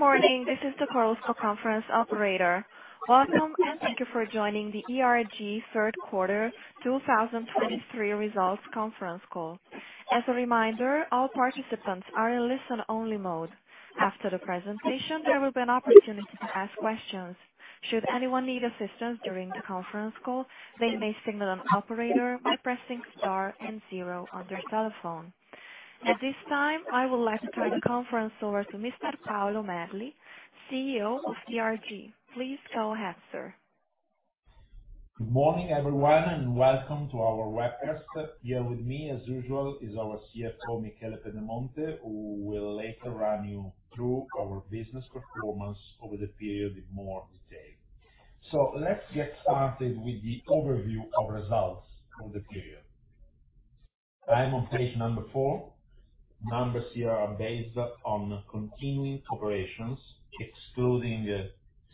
Good morning. This is the Chorus Call conference operator. Welcome, and thank you for joining the ERG Q3 2023 results conference call. As a reminder, all participants are in listen only mode. After the presentation, there will be an opportunity to ask questions. Should anyone need assistance during the conference call, they may signal an operator by pressing star and zero on their telephone. At this time, I would like to turn the conference over to Mr. Paolo Merli, CEO of ERG. Please go ahead, sir. Good morning, everyone, and welcome to our webcast. Here with me, as usual, is our CFO, Michele Pedemonte, who will later run you through our business performance over the period in more detail. So let's get started with the overview of results for the period. I am on page 4. Numbers here are based on continuing operations, excluding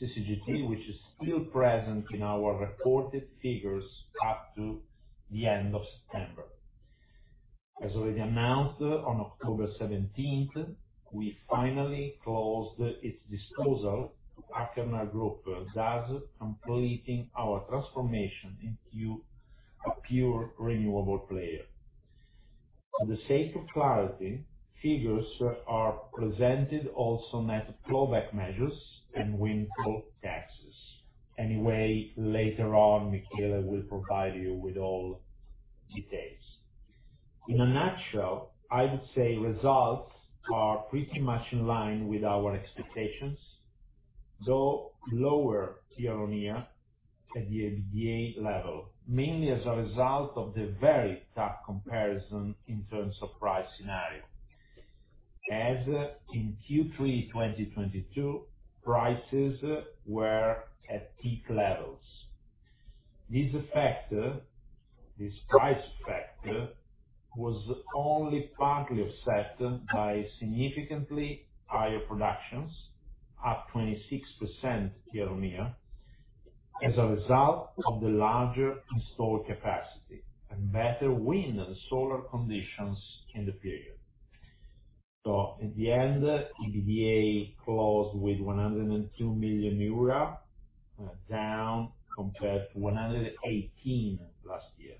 CCGT, which is still present in our reported figures up to the end of September. As already announced on October 17, we finally closed its disposal to Achernar Assets AG, thus completing our transformation into a pure renewable player. For the sake of clarity, figures are presented also net of clawback measures and windfall taxes. Anyway, later on, Michele will provide you with all details. In a nutshell, I would say results are pretty much in line with our expectations, though lower year-on-year at the EBITDA level, mainly as a result of the very tough comparison in terms of price scenario. As in Q3 2022, prices were at peak levels. This factor, this price factor, was only partly offset by significantly higher productions, up 26% year-on-year, as a result of the larger installed capacity and better wind and solar conditions in the period. So in the end, EBITDA closed with 102 million euro, down compared to 118 million last year.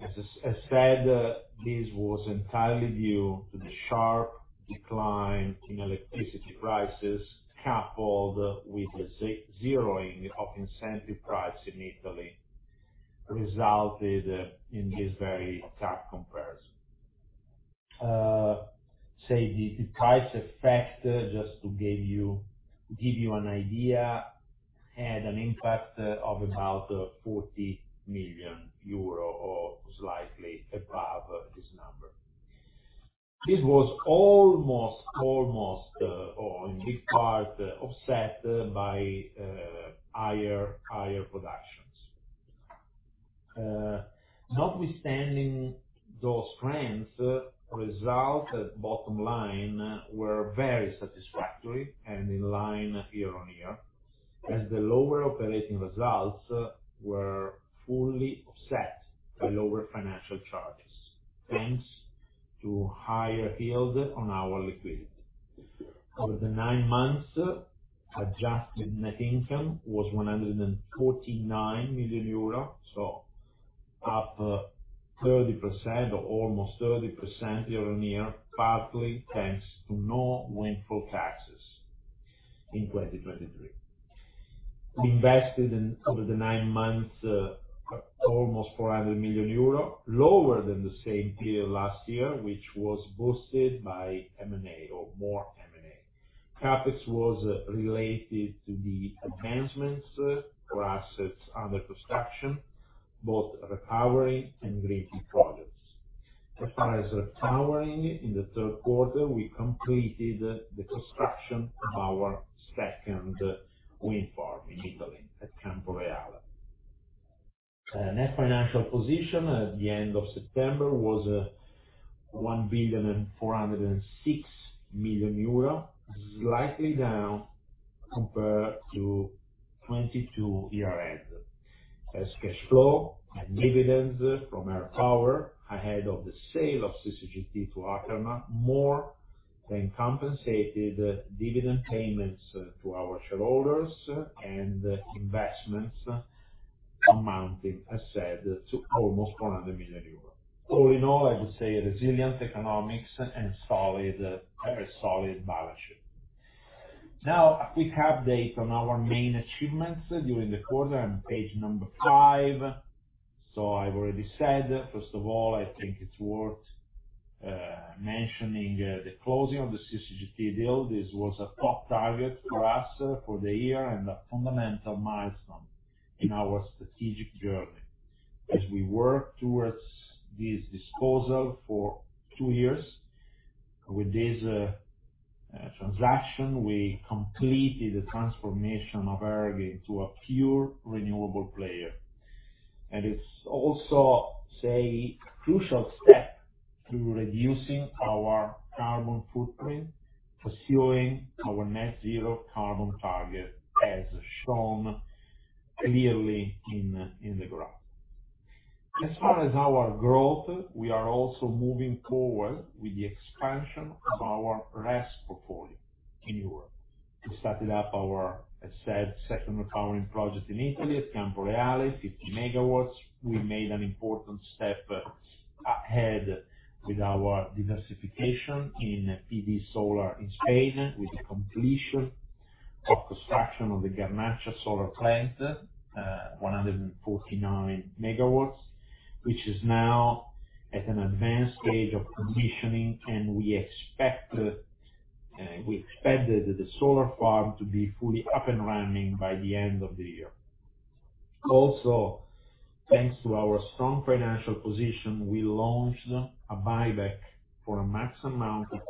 As said, this was entirely due to the sharp decline in electricity prices, coupled with the zeroing of incentive price in Italy, resulted in this very tough comparison. Say, the price effect, just to give you an idea, had an impact of about 40 million euro or slightly above this number. This was almost or in big part offset by higher productions. Notwithstanding those trends, results at bottom line were very satisfactory and in line year-over-year, as the lower operating results were fully offset by lower financial charges, thanks to higher yields on our liquidity. Over the nine months, adjusted net income was 149 million euro, so up 30% or almost 30% year-over-year, partly thanks to no windfall taxes in 2023. We invested, over the nine months, almost 400 million euro, lower than the same period last year, which was boosted by M&A or more M&A. CapEx was related to the advancements for assets under construction, both repowering and greenfield projects. As far as repowering, in the Q3, we completed the construction of our second wind farm in Italy, at Camporeale. Net financial position at the end of September was 1.406 billion, slightly down compared to 2022 year-end. As cash flow and dividends from our power, ahead of the sale of CCGT to Achernar, more than compensated dividend payments to our shareholders and investments amounting, I said, to almost 400 million euros. All in all, I would say resilient economics and solid, very solid balance sheet. Now, a quick update on our main achievements during the quarter on page 5. So I've already said, first of all, I think it's worth mentioning the closing of the CCGT deal. This was a top target for us for the year and a fundamental milestone in our strategic journey. As we work towards this disposal for two years, with this transaction, we completed the transformation of ERG into a pure renewable player, and it's also, say, a crucial step to reducing our carbon footprint, pursuing our net zero carbon target, as shown clearly in the graph. As far as our growth, we are also moving forward with the expansion of our RES portfolio in Europe. We started up our, as said, second recovery project in Italy, at Camporeale, 50 MW. We made an important step ahead with our diversification in PV Solar in Spain, with the completion of construction of the Garnacha Solar plant, 149 MW, which is now at an advanced stage of commissioning, and we expect the solar farm to be fully up and running by the end of the year. Also, thanks to our strong financial position, we launched a buyback for a max amount of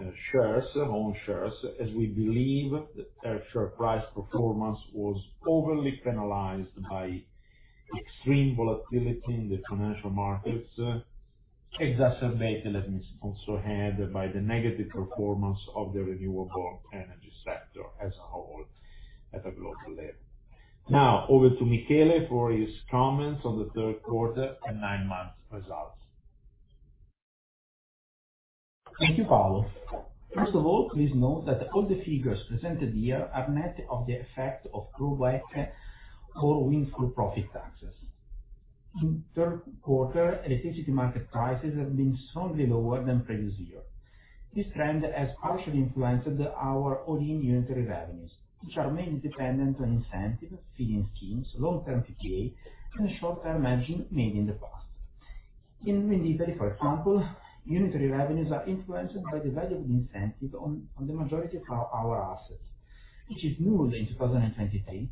2.5 own shares, as we believe that our share price performance was overly penalized by the extreme volatility in the financial markets, exacerbated, let me also add, by the negative performance of the renewable energy sector as a whole, at a clawback level. Now, over to Michele for his comments on the Q3 and nine-month results. Thank you, Paolo. First of all, please note that all the figures presented here are net of the effect of clawback for windfall profit taxes. In Q3, electricity market prices have been slightly lower than previous year. This trend has partially influenced our all-in unitary revenues, which are mainly dependent on incentive, feed-in schemes, long-term PPA, and short-term hedging made in the past. In Italy, for example, unitary revenues are influenced by the value of the incentive on the majority of our assets, which is nearly 23 in 2023,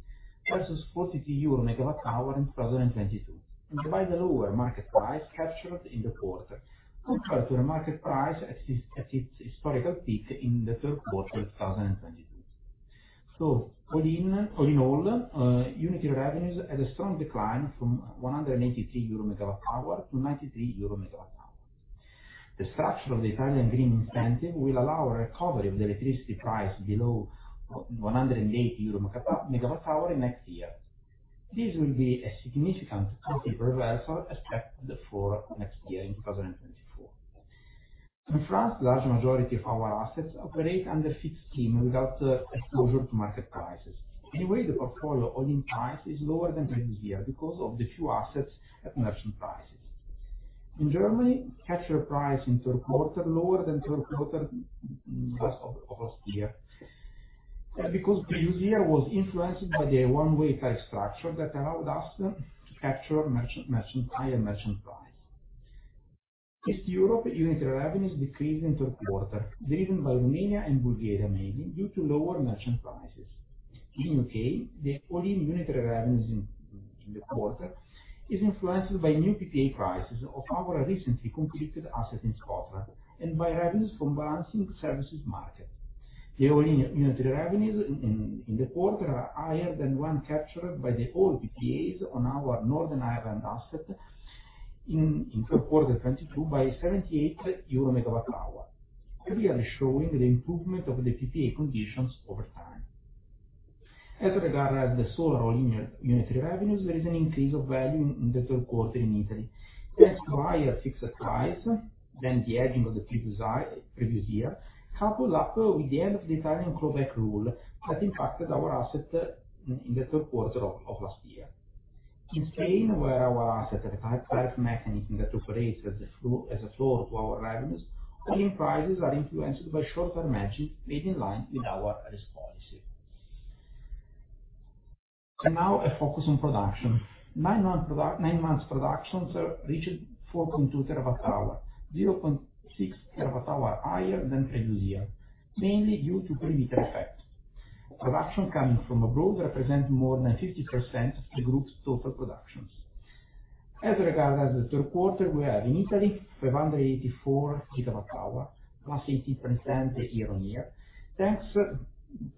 versus 42 EUR/MWh in 2022, and by the lower market price captured in the quarter, compared to the market price at its historical peak in the Q3 of 2022. So all in all, unitary revenues had a strong decline from 183 euro/MWh to 93 euro/MWh. The structure of the Italian green incentive will allow a recovery of the electricity price below 180 euro/MWh in next year. This will be a significant positive reversal expected for next year, in 2024. In France, large majority of our assets operate under FIT scheme without exposure to market prices. Anyway, the portfolio all-in price is lower than previous year, because of the few assets at merchant prices. In Germany, capture price in Q3, lower than Q3, of, of last year. Previous year was influenced by the one-way price structure that allowed us to capture merchant, merchant, higher merchant price. Eastern Europe, unitary revenue decreased in Q3, driven by Romania and Bulgaria, mainly, due to lower merchant prices. In U.K., the all-in unitary revenues in the quarter is influenced by new PPA prices of our recently completed asset in Scotland, and by revenues from balancing services market. The all-in unitary revenues in the quarter are higher than the one captured by the old PPAs on our Northern Ireland asset in Q3 2022, by 78 euro/MWh, clearly showing the improvement of the PPA conditions over time. As regards the solar all-in unitary revenues, there is an increase of value in the Q3 in Italy. Thanks to higher fixed price than the hedging of the previous year, coupled with the end of the Italian clawback rule that impacted our asset in Q3 of last year. In Spain, where our assets have a price mechanism that operates as a floor to our revenues, all-in prices are influenced by short-term hedging, made in line with our risk policy. Now a focus on production. Nine months productions reached 4.2 TWh, 0.6 TWh higher than previous year, mainly due to perimeter effect. Production coming from abroad represent more than 50% of the group's total productions. As regards in Q3, we are in Italy, 584 GWh, +80% year-on-year. Thanks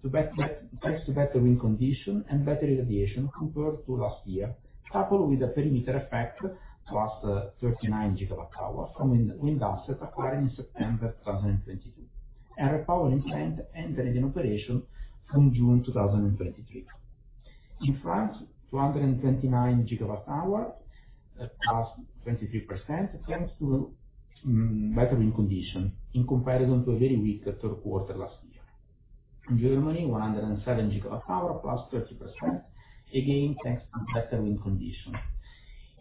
to better wind condition and better irradiation compared to last year, coupled with a perimeter effect, +39 GWh from wind assets acquired in September 2022, and repowering plant entered in operation from June 2023. In France, 229 GWh, +23%, thanks to better wind conditions in comparison to a very weak Q3 last year. In Germany, 107 GWh, +30%, again, thanks to better wind conditions.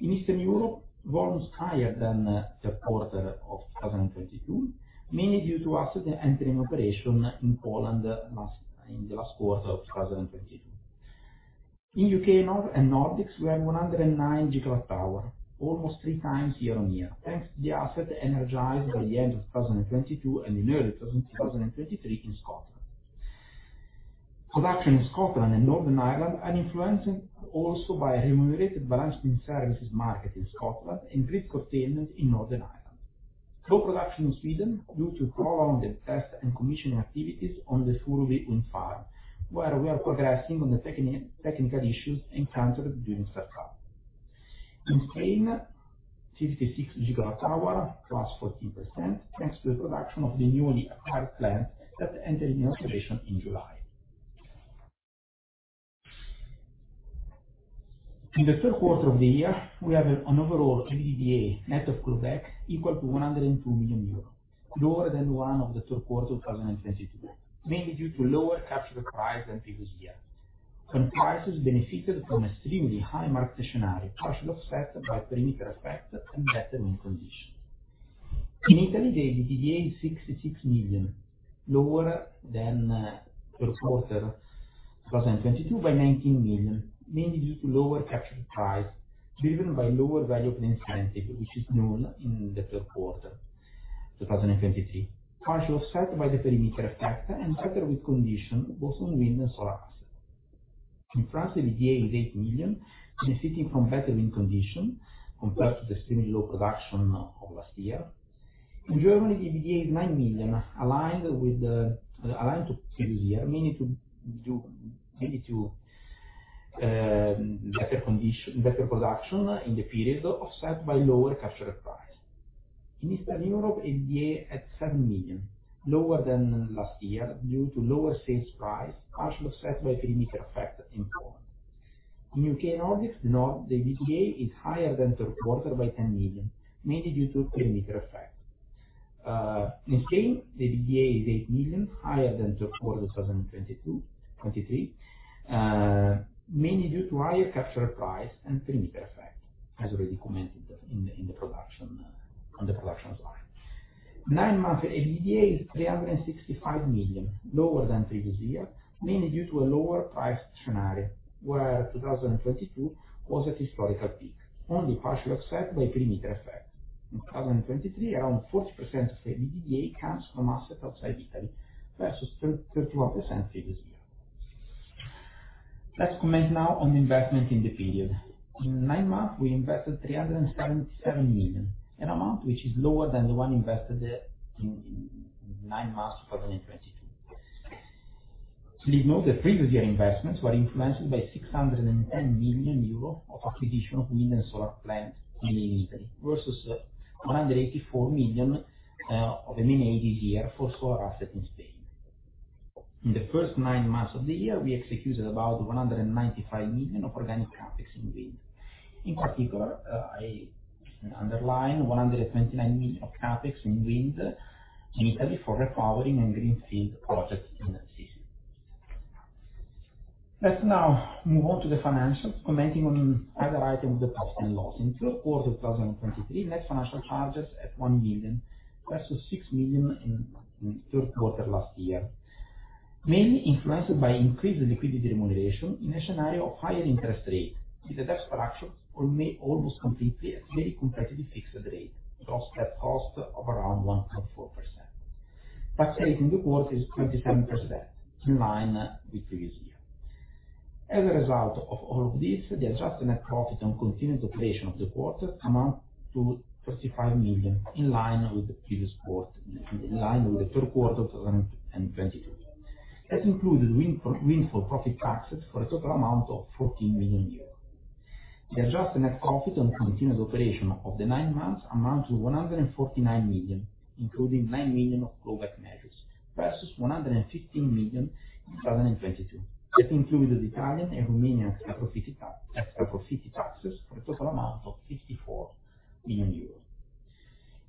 In Eastern Europe, volumes higher than Q3 of 2022, mainly due to assets entering operation in Poland in the last quarter of 2022. In U.K., Northern Ireland and Nordics, we have 109 GWh, almost three times year-on-year, thanks to the assets energized by the end of 2022 and in early 2023 in Scotland. Production in Scotland and Northern Ireland are influenced also by a remunerated balancing services market in Scotland, and grid containment in Northern Ireland. Low production in Sweden, due to prolonged test and commissioning activities on the Furuby wind farm, where we are progressing on the technical issues encountered during startup. In Spain, 56 GWh, +14%, thanks to the production of the newly acquired plant that entered in operation in July. In Q3 of the year, we have an overall EBITDA, net of global, equal to 102 million euro, lower than the one of the Q3 of 2022, mainly due to lower capture price than previous year. When prices benefited from extremely high market scenario, partially offset by perimeter effect, and better wind condition. In Italy, the EBITDA is 66 million, lower than Q3 2022 by 19 million, mainly due to lower captured price, driven by lower value of the incentive, which is null in the Q3 2023. Partially offset by the perimeter effect and better wind condition, both on wind and solar asset. In France, the EBITDA is 8 million, benefiting from better wind condition compared to the extremely low production of last year. In Germany, the EBITDA is 9 million, aligned with previous year, mainly due to better condition, better production in the period, offset by lower captured price. In Eastern Europe, EBITDA at 7 million, lower than last year due to lower sales price, partially offset by perimeter effect in Poland. In UK and Nordics, now, the EBITDA is higher than Q3 by 10 million, mainly due to perimeter effect. In Spain, the EBITDA is 8 million higher than Q3 2022, mainly due to higher captured price and perimeter effect, as already commented in the, in the production, on the production slide. Nine months EBITDA is 365 million, lower than previous year, mainly due to a lower price scenario, where 2022 was a historical peak, only partially offset by perimeter effect. In 2023, around 40% of EBITDA comes from assets outside Italy, versus thirty-one percent previous year. Let's comment now on investment in the period. In nine months, we invested 377 million, an amount which is lower than the one invested in nine months, 2022. Please note, the previous year investments were influenced by 610 million euro of acquisition of wind and solar plants, mainly in Italy, versus 184 million of them in this year, for solar asset in Spain. In the first nine months of the year, we executed about 195 million of organic CapEx in wind. In particular, I underline 129 million of CapEx in wind, in Italy, for repowering and greenfield projects in season. Let's now move on to the financials, commenting on either item, the profit and loss. In Q3 2023, net financial charges at 1 million, versus 6 million in Q3 last year. Mainly influenced by increased liquidity remuneration in a scenario of higher interest rate, with the debt structure, or may almost completely at very competitive fixed rate, plus that cost of around 1.4%. Tax rate in the quarter is 27%, in line with previous year. As a result of all of this, the adjusted net profit and continued operation of the quarter amount to 35 million, in line with the previous quarter. In line with Q3 of 2022. That included windfall profit taxes, for a total amount of 14 million euros. The adjusted net profit on continued operation of the nine months amount to 149 million, including 9 million of global measures, versus 115 million in 2022. That included Italian and Romanian extra profit taxes, for a total amount of 54 million euros.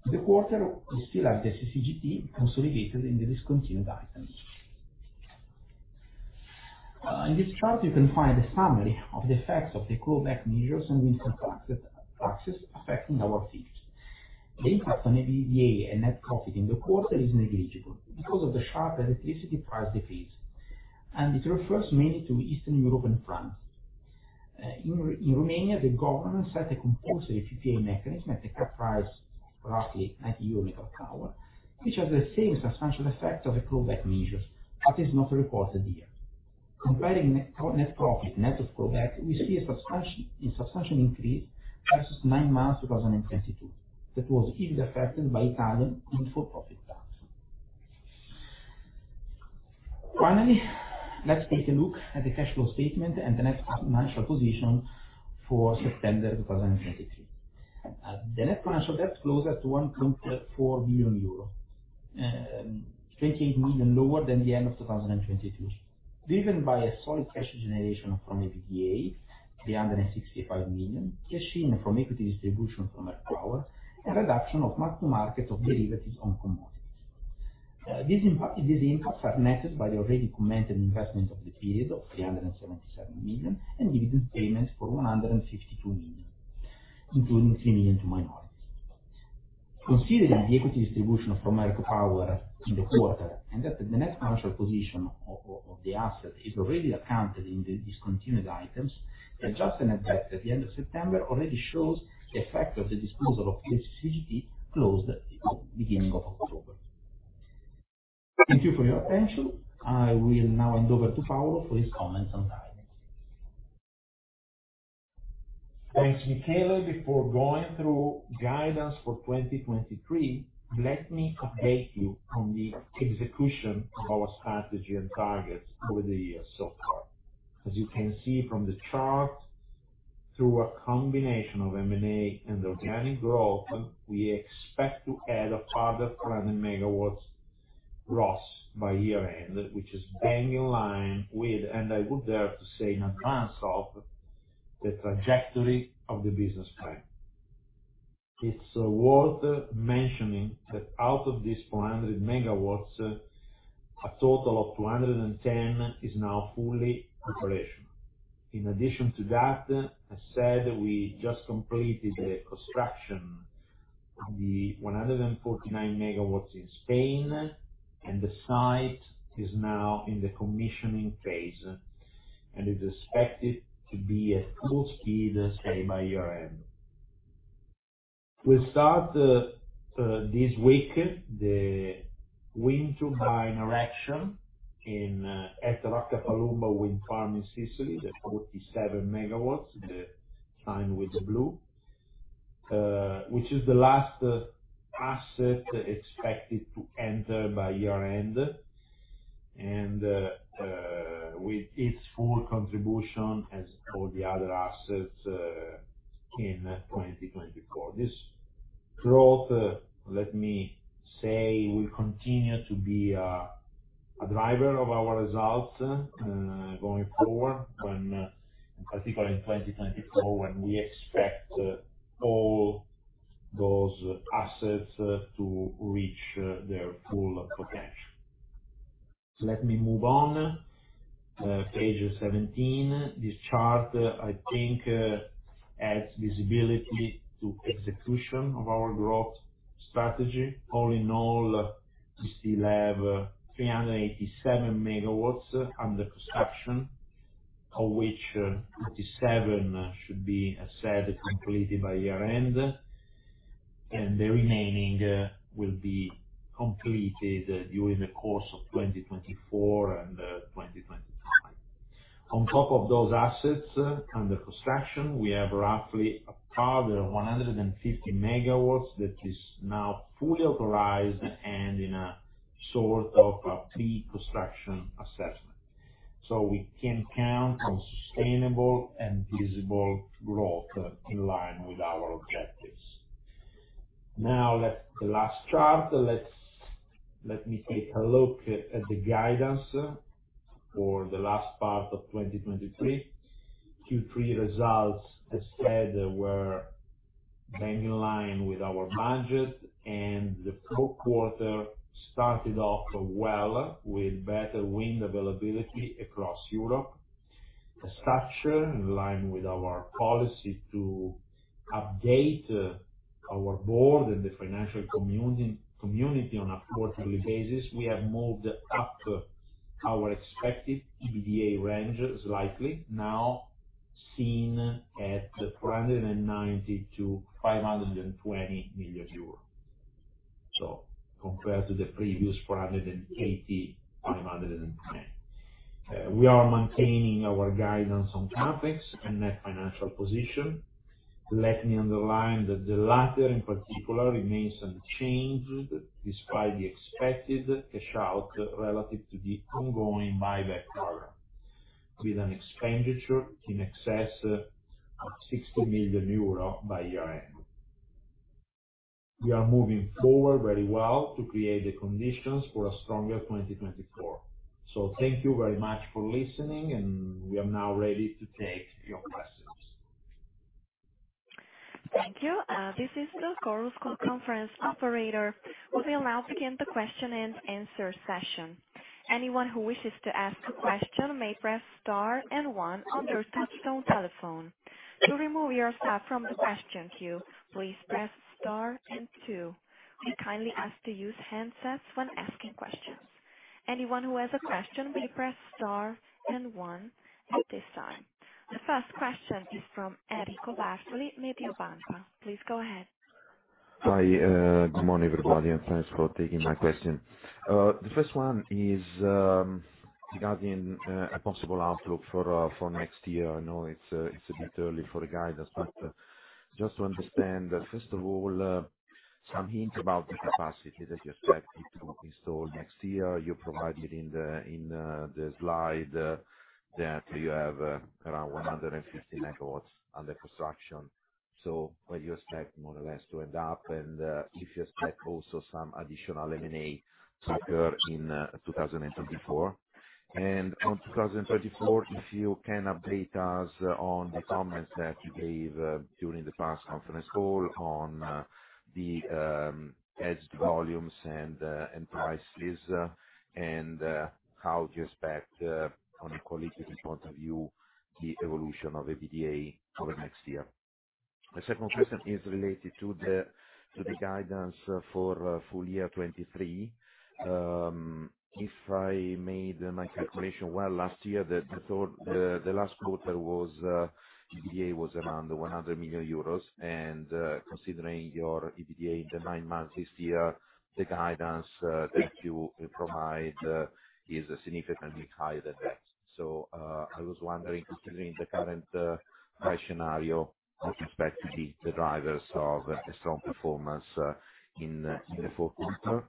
In the quarter, we still have the CCGT, consolidated in the discontinued items. In this chart, you can find a summary of the effects of the global measures and windfall taxes, taxes affecting our fleet. The impact on EBITDA and net profit in the quarter is negligible, because of the sharp electricity price decrease, and it refers mainly to Eastern Europe and France. In Romania, the government set a compulsory PPA mechanism at a cap price, roughly 90 euro/MWh, which has the same substantial effect of the global measures, but is not reported here. Comparing net profit net of global, we see a substantial increase versus nine months 2022. That was heavily affected by Italian windfall profit tax. Finally, let's take a look at the cash flow statement and the net financial position for September 2023. The net financial debt closes to 1.4 billion euro, 28 million lower than the end of 2022. Driven by a solid cash generation from EBITDA, 365 million, cash in from equity distribution from ERG Power, and reduction of mark-to-market of derivatives on commodities. This impact, these impacts are netted by the already commented investment of the period, of 377 million, and dividend payments for 152 million, including 3 million to minorities. Considering the equity distribution from ERG Power in the quarter, and that the net financial position of the asset is already accounted in the discontinued items, adjusted at the end of September, already shows the effect of the disposal of CCGT closed at the beginning of October. Thank you for your attention. I will now hand over to Paolo for his comments and guidance. Thanks, Michele. Before going through guidance for 2023, let me update you on the execution of our strategy and targets over the years so far.. As you can see from the chart, through a combination of M&A and organic growth, we expect to add a further 400 MW gross by year-end, which is bang in line with, and I would dare to say, in advance of, the trajectory of the business plan. It's worth mentioning that out of these 400 MW, a total of 210 MW is now fully operational. In addition to that, I said we just completed the construction of the 149 MW in Spain, and the site is now in the commissioning phase, and is expected to be at full speed, say, by year-end. We start this week the wind turbine erection at Roccapalumba wind farm in Sicily, the 47 MW one signed with Blu, which is the last asset expected to enter by year-end, and with its full contribution, as all the other assets, in 2024. This growth, let me say, will continue to be a driver of our results going forward, in particular in 2024, when we expect all those assets to reach their full potential. So let me move on. Page 17. This chart, I think, adds visibility to execution of our growth strategy. All in all, we still have 387 MW under construction, of which 27 should be, as said, completed by year-end, and the remaining will be completed during the course of 2024 and 2025. On top of those assets under construction, we have roughly a further 150 MW that is now fully authorized and in a sort of a pre-construction assessment. So we can count on sustainable and visible growth in line with our objectives. Now, let me take a look at the guidance for the last part of 2023. Q3 results, as said, were bang in line with our budget, and the Q4 started off well, with better wind availability across Europe. As such, in line with our policy to update our board and the financial community on a quarterly basis, we have moved up our expected EBITDA range slightly, now seen at 490 million-520 million euros. So compared to the previous 480 million-510 million. We are maintaining our guidance on CapEx and net financial position. Let me underline that the latter, in particular, remains unchanged, despite the expected cash out relative to the ongoing buyback program, with an expenditure in excess of 60 million euro by year-end. We are moving forward very well to create the conditions for a stronger 2024. So thank you very much for listening, and we are now ready to take your questions. Thank you. This is the Chorus Call conference operator. We will now begin the question-and-answer session. Anyone who wishes to ask a question may press star and one on their touchtone telephone. To remove yourself from the question queue, please press star and two. We kindly ask to use handsets when asking questions. Anyone who has a question, please press star and one at this time. The first question is from Enrico Bartoli, Mediobanca. Please go ahead. Hi, good morning, everybody, and thanks for taking my question. The first one is, regarding, a possible outlook for, for next year. I know it's, it's a bit early for a guidance, but just to understand, first of all, some hints about the capacity that you expect it to install next year. You provided in the, in, the slide, that you have, around 150 MW under construction. So where you expect more or less to end up, and, if you expect also some additional M&A to occur in, 2024? On 2024, if you can update us on the comments that you gave during the past conference call on the edged volumes and prices, and how you expect from a qualitative point of view, the evolution of EBITDA for the next year. The second question is related to the guidance for full year 2023. If I made my calculation well last year, the third, the last quarter was EBITDA was around 100 million euros, and considering your EBITDA in the nine months this year, the guidance that you provide is significantly higher than that. So I was wondering, considering the current price scenario, what you expect to be the drivers of a strong performance in the Q4?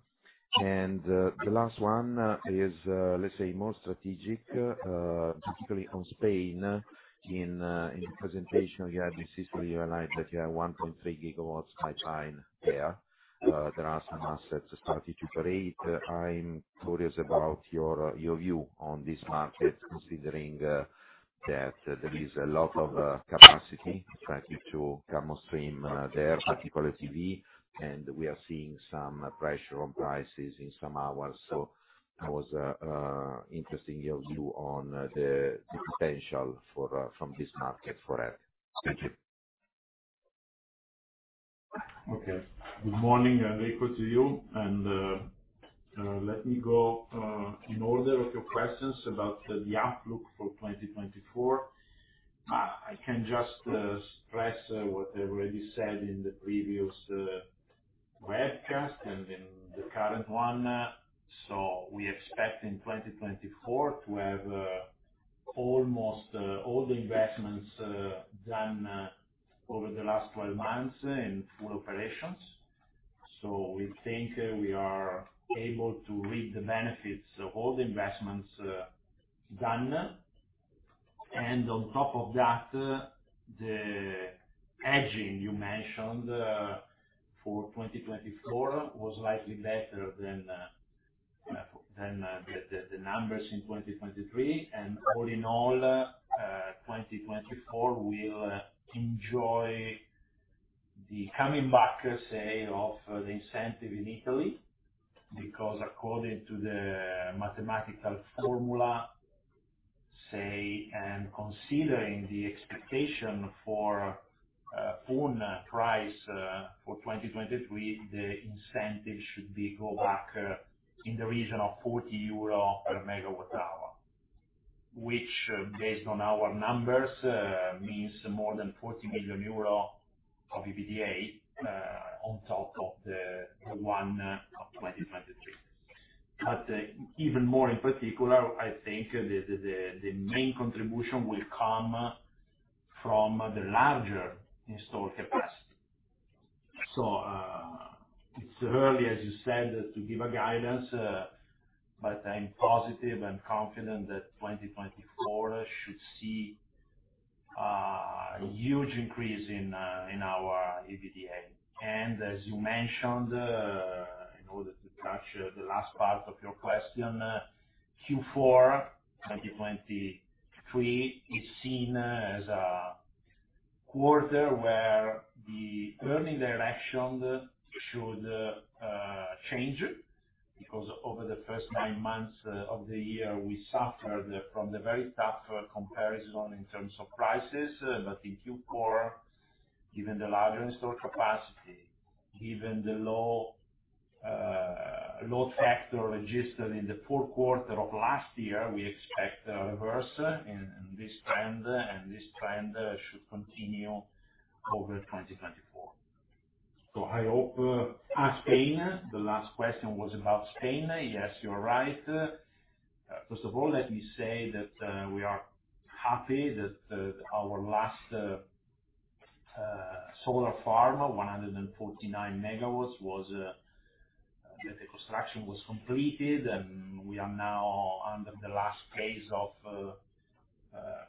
The last one is, let's say more strategic, particularly on Spain. In the presentation, you have insisted, you highlight that you have 1.3 GW pipeline there. There are some assets starting to create. I'm curious about your, your view on this market, considering that there is a lot of capacity trying to come on stream there, particularly PV, and we are seeing some pressure on prices in some hours. So I was interested in your view on the, the potential for from this market forever. Thank you. Okay. Good morning, Enrico, to you, and let me go in order of your questions about the outlook for 2024. I can just stress what I already said in the previous webcast and in the current one. So we expect in 2024 to have almost all the investments done over the last 12 months in full operations. So we think we are able to reap the benefits of all the investments done. On top of that, the hedging you mentioned for 2024 was slightly better than the numbers in 2023. All in all, 2024 will enjoy the coming back, say, of the incentive in Italy. Because according to the mathematical formula, say, and considering the expectation for full price for 2023, the incentive should be go back in the region of 40 euro/MWh, which based on our numbers means more than 40 million euro of EBITDA on top of the one of 2023. Even more in particular, I think the main contribution will come from the larger installed capacity. So it's early, as you said, to give a guidance, but I'm positive and confident that 2024 should see a huge increase in our EBITDA. As you mentioned, in order to touch the last part of your question, Q4 2023 is seen as a quarter where the earnings direction should change, because over the first nine months of the year, we suffered from the very tough comparison in terms of prices. In Q4, given the larger installed capacity, given the low load factor registered in the Q4 of last year, we expect a reverse in this trend, and this trend should continue over 2024. So I hope, Spain, the last question was about Spain. Yes, you're right. First of all, let me say that we are happy that our last solar farm, 149 MW, was that the construction was completed, and we are now under the last phase of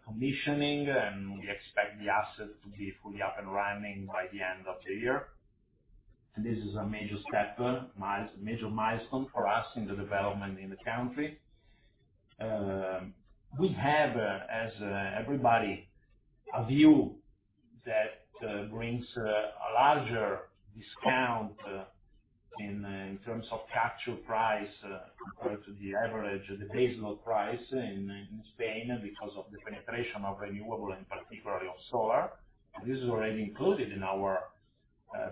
commissioning, and we expect the asset to be fully up and running by the end of the year. This is a major step, major milestone for us in the development in the country. We have, as everybody, a view that brings a larger discount in terms of capture price compared to the average, the baseline price in Spain, because of the penetration of renewable and particularly of solar. This is already included in our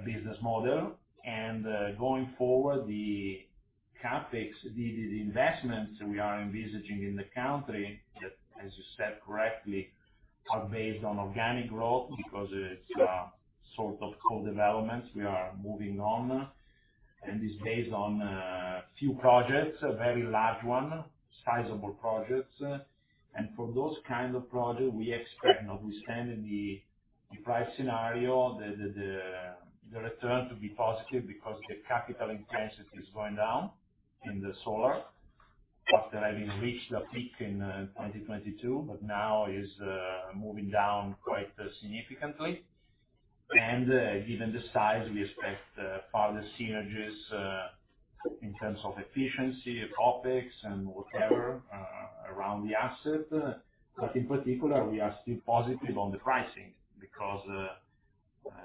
business model. And, going forward, the CapEx, the investments we are envisaging in the country, as you said correctly, are based on organic growth, because it's sort of co-development. We are moving on, and it's based on few projects, a very large one, sizable projects. For those kind of projects, we expect, notwithstanding the price scenario, the return to be positive because the capital intensity is going down in the solar, after having reached a peak in 2022, but now is moving down quite significantly. Given the size, we expect further synergies in terms of efficiency, topics and whatever around the asset. In particular, we are still positive on the pricing, because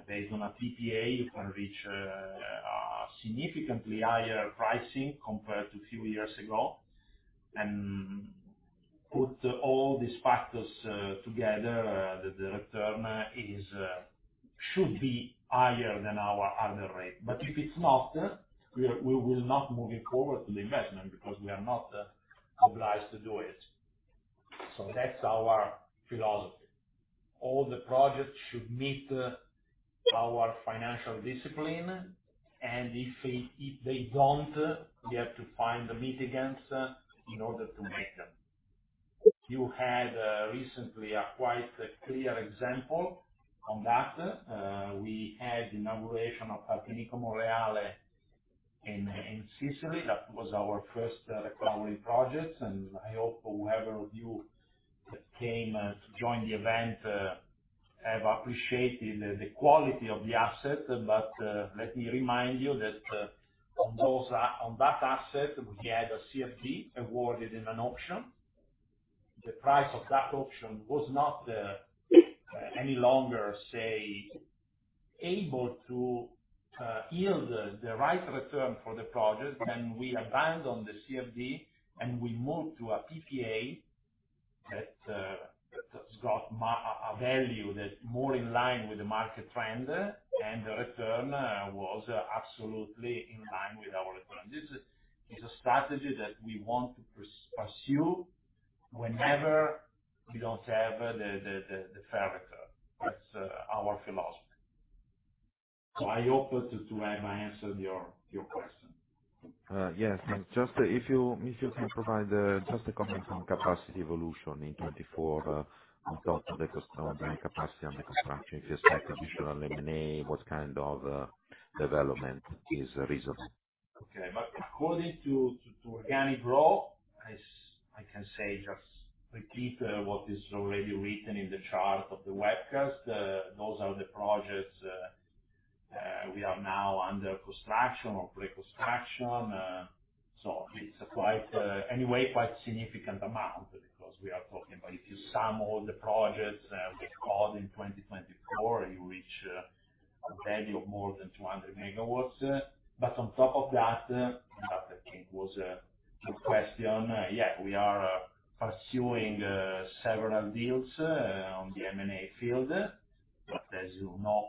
based on a PPA, you can reach a significantly higher pricing compared to few years ago. Putting all these factors together, the return should be higher than our other rate. If it's not, we will not move forward to the investment because we are not obliged to do it. So that's our philosophy. All the projects should meet our financial discipline, and if they don't, we have to find the mitigants in order to make them. You had recently a quite clear example on that. We had inauguration of Camporeale in Sicily. That was our first repowering project, and I hope whoever of you that came to join the event have appreciated the quality of the asset. Let me remind you that on that asset, we had a CFD awarded in an auction. The price of that option was not any longer able to yield the right return for the project, and we abandoned the CFD, and we moved to a PPA that's got a value that's more in line with the market trend, and the return was absolutely in line with our return. This is a strategy that we want to pursue whenever we don't have the fair return. That's our philosophy. So I hope to have answered your question. Yes, and just if you, if you can provide, just a comment on capacity evolution in 2024, in terms of the capacity on the construction, if you expect additional M&A, what kind of development is reasonable? Okay. According to organic growth, I can say just repeat what is already written in the chart of the webcast. Those are the projects we have now under construction or pre-construction. So anyway it's quite a significant amount, because we are talking about if you sum all the projects we called in 2024, you reach a value of more than 200 MW. On top of that, and that, I think, was a good question. Yeah, we are pursuing several deals on the M&A field. As you know,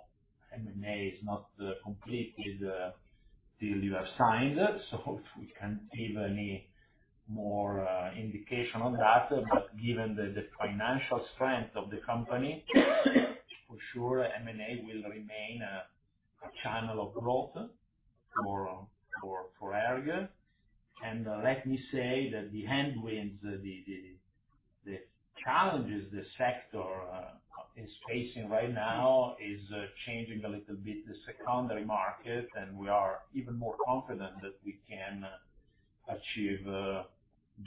M&A is not completed till you have signed. So we can't give any more indication on that. Given the financial strength of the company, for sure, M&A will remain a channel of growth for ERG. Let me say that the headwinds, the challenges the sector is facing right now is changing a little bit, the secondary market, and we are even more confident that we can achieve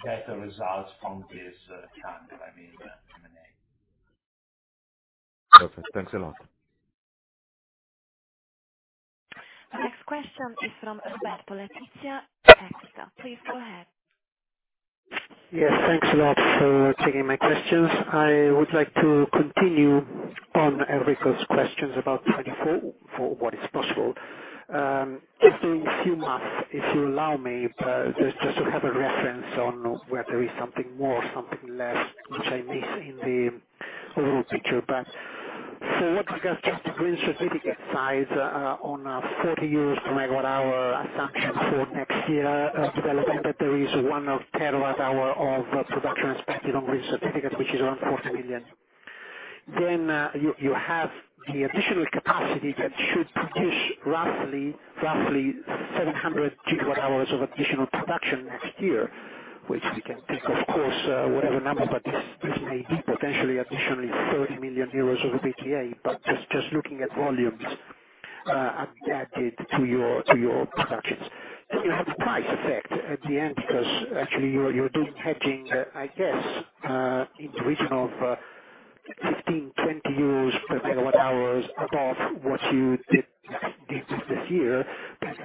better results from this channel, I mean, the M&A. Perfect. Thanks a lot. The next question is from Roberto Letizia, EQUITA. Please go ahead. Yes, thanks a lot for taking my questions. I would like to continue on Enrico's questions about 2024, for what is possible. Just doing some math, if you allow me, just to have a reference on where there is something more or something less, which I miss in the overall picture. So what you guys just green certificate size, on a EUR 40/MWh assumption for next year, development, that there is 1 TWh of production expected on green certificates, which is around 40 million. Then, you, you have the additional capacity that should produce roughly 700 GWh of additional production next year, which we can take, of course, whatever number, but this may be potentially additionally 30 million euros of EBITDA. But just looking at volumes, added to your productions. Then you have the price effect at the end, because actually, you're doing hedging, I guess, in the region of 15-20 euros/MWh above what you did this year.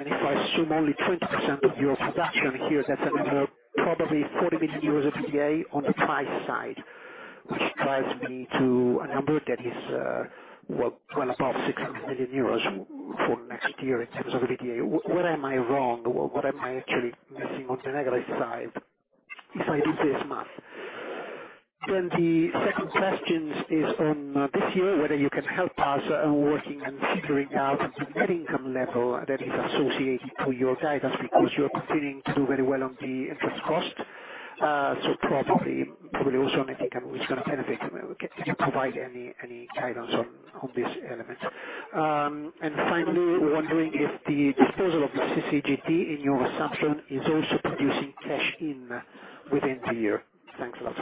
If I assume only 20% of your production here, that's a number, probably 40 million euros of EBITDA on the price side, which drives me to a number that is, well, well above 600 million euros for next year in terms of EBITDA. Where am I wrong? What am I actually missing on the negative side, if I do this math? Then the second question is on this year, whether you can help us on working and figuring out the net income level that is associated to your guidance, because you are continuing to do very well on the interest cost. So probably also net income is going to benefit. Can you provide any guidance on this element? Finally, wondering if the disposal of the CCGT in your assumption is also producing cash in within the year. Thanks a lot.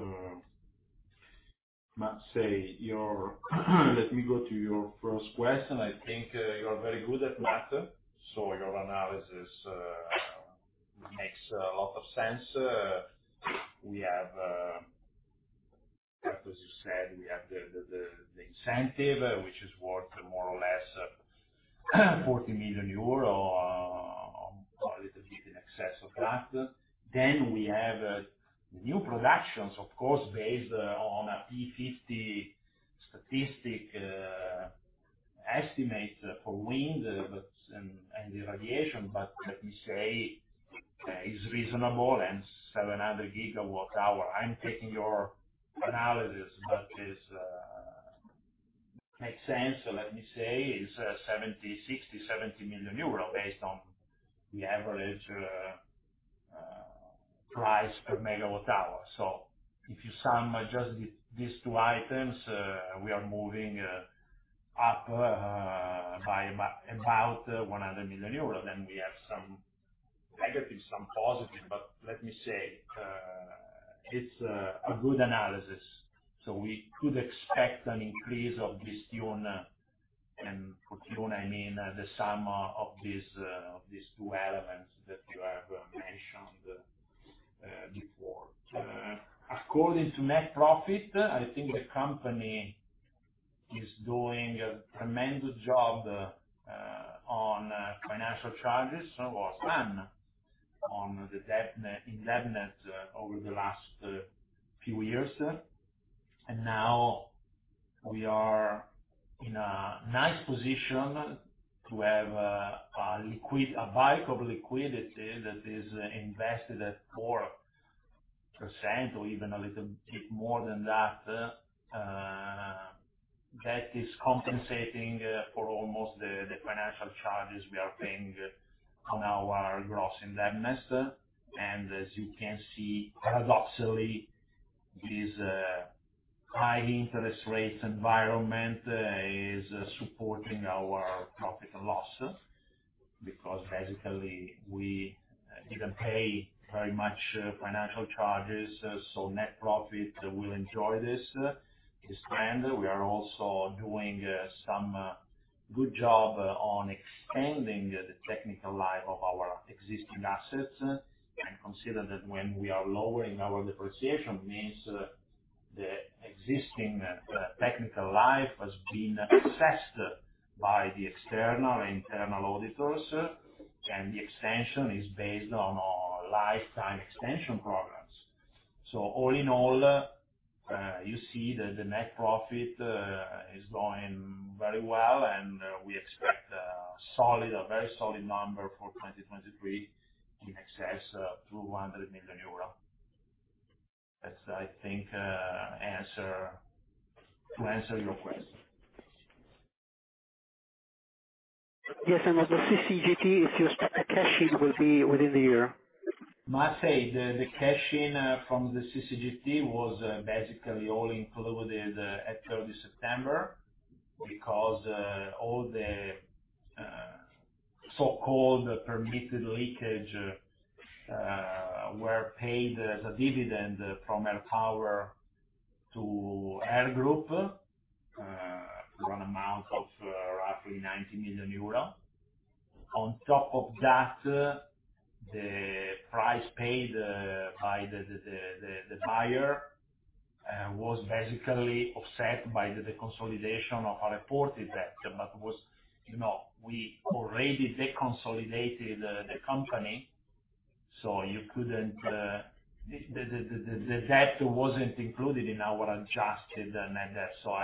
Okay. Let me go to your first question. I think, you're very good at math, so your analysis, makes a lot of sense. We have, as you said, we have the incentive, which is worth more or less, 40 million euro, or a little bit in excess of that. Then we have new productions, of course, based on a P50 estimate for wind, but and the radiation, but let me say, is reasonable and 700 GWh. I'm taking your analysis, but is makes sense. So let me say, is 60-70 million euro, based on the average price per megawatt-hour. So if you sum just these two items, we are moving up by about 100 million euros. Then we have some negative, some positive, but let me say, it's a good analysis. So we could expect an increase of this guidance, and for guidance, I mean, the sum of these two elements that you have mentioned before. According to net profit, I think the company is doing a tremendous job on financial charges, overall, on the net debt, in net debt over the last few years. Now we are in a nice position to have a pool of liquidity that is invested at 4% or even a little bit more than that. That is compensating for almost the financial charges we are paying on our gross indebtedness. As you can see, paradoxically, this high interest rate environment is supporting our profit and loss, because basically, we didn't pay very much financial charges, so net profit will enjoy this trend. We are also doing some good job on extending the technical life of our existing assets. Consider that when we are lowering our depreciation, means the existing technical life has been assessed by the external and internal auditors, and the extension is based on our lifetime extension programs. So all in all, you see that the net profit is going very well, and we expect a solid, a very solid number for 2023, in excess of 200 million euro. That's, I think, the answer to your question. Yes, and on the CCGT, if your cash in will be within the year? Must say, the cash in from the CCGT was basically all included at September 30, because all the so-called permitted leakage were paid as a dividend from ERG Power to ERG Group for an amount of roughly 90 million euro. On top of that, the price paid by the buyer was basically offset by the consolidation of our reported debt. But was, you know, we already deconsolidated the company, so you couldn't... The debt wasn't included in our adjusted net debt. So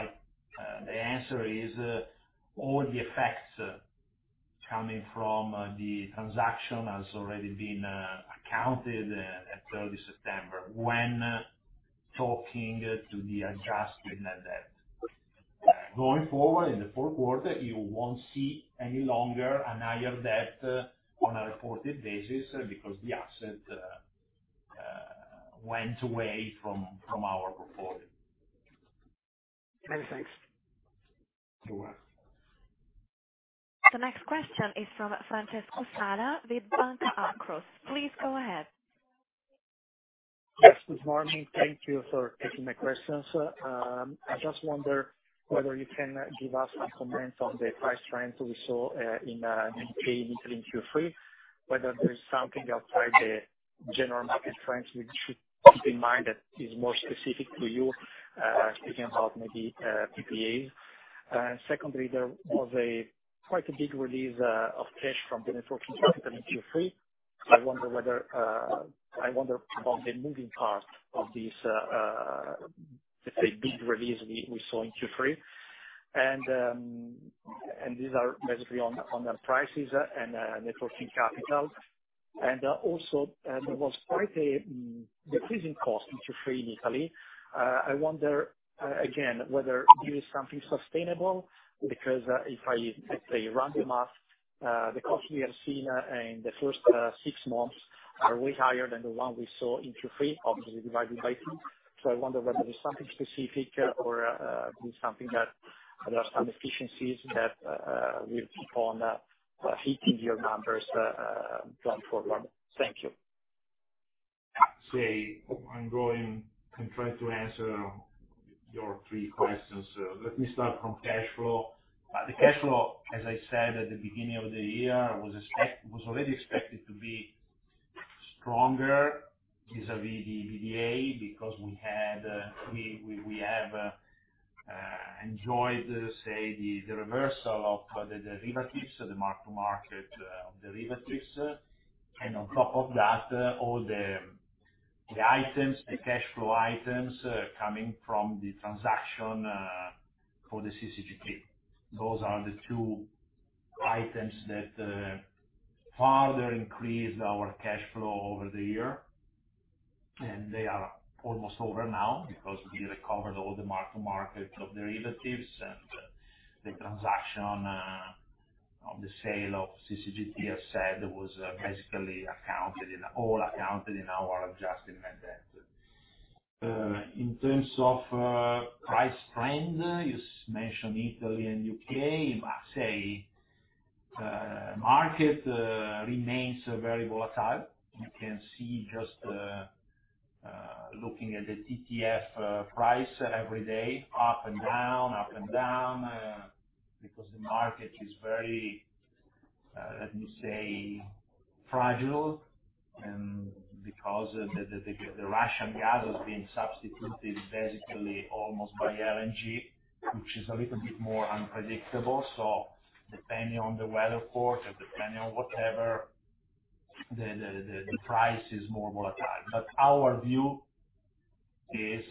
the answer is all the effects coming from the transaction has already been accounted at September 30, when talking to the adjusted net debt. Going forward, in the Q4, you won't see any longer a higher debt on a reported basis, because the asset went away from our portfolio. Many thanks. You're welcome. The next question is from Francesco Sala with Banca Akros. Please go ahead. Yes, good morning. Thank you for taking my questions. I just wonder whether you can give us some comments on the price trends we saw in Q3, whether there is something outside the general market trends we should keep in mind that is more specific to you, speaking about maybe PPAs. Secondly, there was quite a big release of cash from the net working capital in Q3. I wonder about the moving part of this, let's say, big release we saw in Q3. These are basically on the prices and net working capital. Also there was quite a decreasing cost in Q3 in Italy. I wonder again whether this is something sustainable, because if I, let's say, run the math, the cost we have seen in the first six months are way higher than the one we saw in Q3, obviously divided by two. So I wonder whether there's something specific, or this is something that there are some efficiencies that will keep on hitting your numbers going forward. Thank you. I'm trying to answer your three questions. Let me start from cash flow. The cash flow, as I said at the beginning of the year, was already expected to be stronger vis-à-vis the EBITDA, because we had enjoyed, let's say, the reversal of the derivatives, the mark-to-market derivatives. On top of that, all the items, the cash flow items, coming from the transaction for the CCGT. Those are the two items that further increased our cash flow over the year, and they are almost over now because we recovered all the mark-to-market of derivatives, and the transaction of the sale of CCGT, as said, was basically accounted in, all accounted in our adjusted net debt. In terms of price trend, you mentioned Italy and U.K. The market remains very volatile. You can see just looking at the TTF price every day, up and down, up and down, because the market is very, let me say, fragile, and because the Russian gas is being substituted basically almost by LNG, which is a little bit more unpredictable. So depending on the weather forecast, depending on whatever, the price is more volatile. Our view is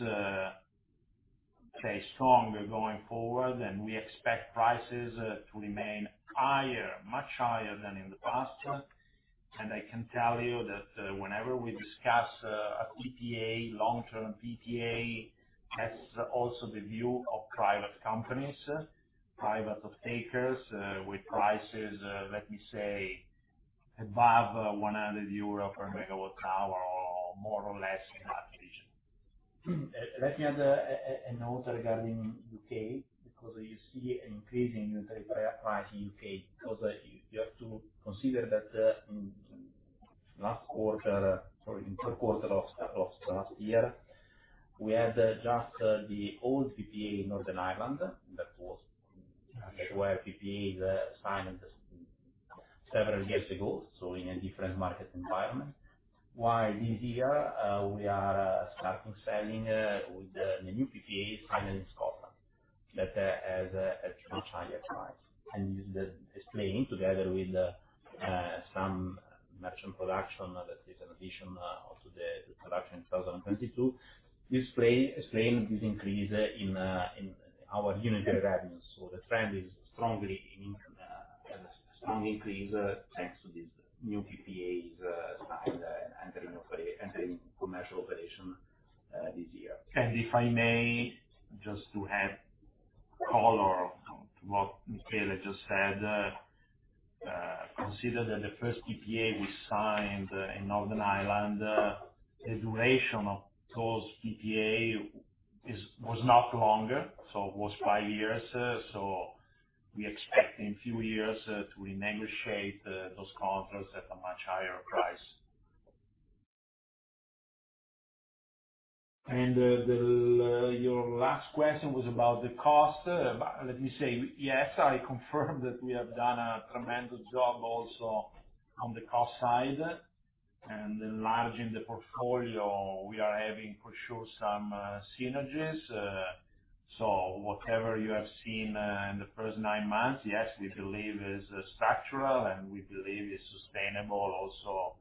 stronger going forward, and we expect prices to remain higher, much higher than in the past. I can tell you that, whenever we discuss a PPA, long-term PPA, has also the view of private companies, private off-takers, with prices, let me say, above 100 euro/MWh, or more or less in that region. Let me add a note regarding U.K., because you see an increase in the price in U.K., because you have to consider that in last quarter or in Q3 of last year, we had just the old PPA in Northern Ireland. That was where PPA is signed several years ago, so in a different market environment. While this year, we are starting selling with the new PPAs signed in Scotland, that has a much higher price. This is explaining, together with some merchant production, that is an addition, also the production in 2022. This plus explain this increase in our unit revenues. So the trend is strongly in strong increase, thanks to this new PPAs signed and entering commercial operation this year. If I may, just to add color to what Michele just said, consider that the first PPA we signed in Northern Ireland, the duration of those PPA is, was not longer, so it was five years. We expect in a few years, to renegotiate, those contracts at a much higher price. Your last question was about the cost. Let me say, yes, I confirm that we have done a tremendous job also on the cost side, and enlarging the portfolio, we are having, for sure, some, synergies. So whatever you have seen, in the first nine months, yes, we believe is structural, and we believe is sustainable also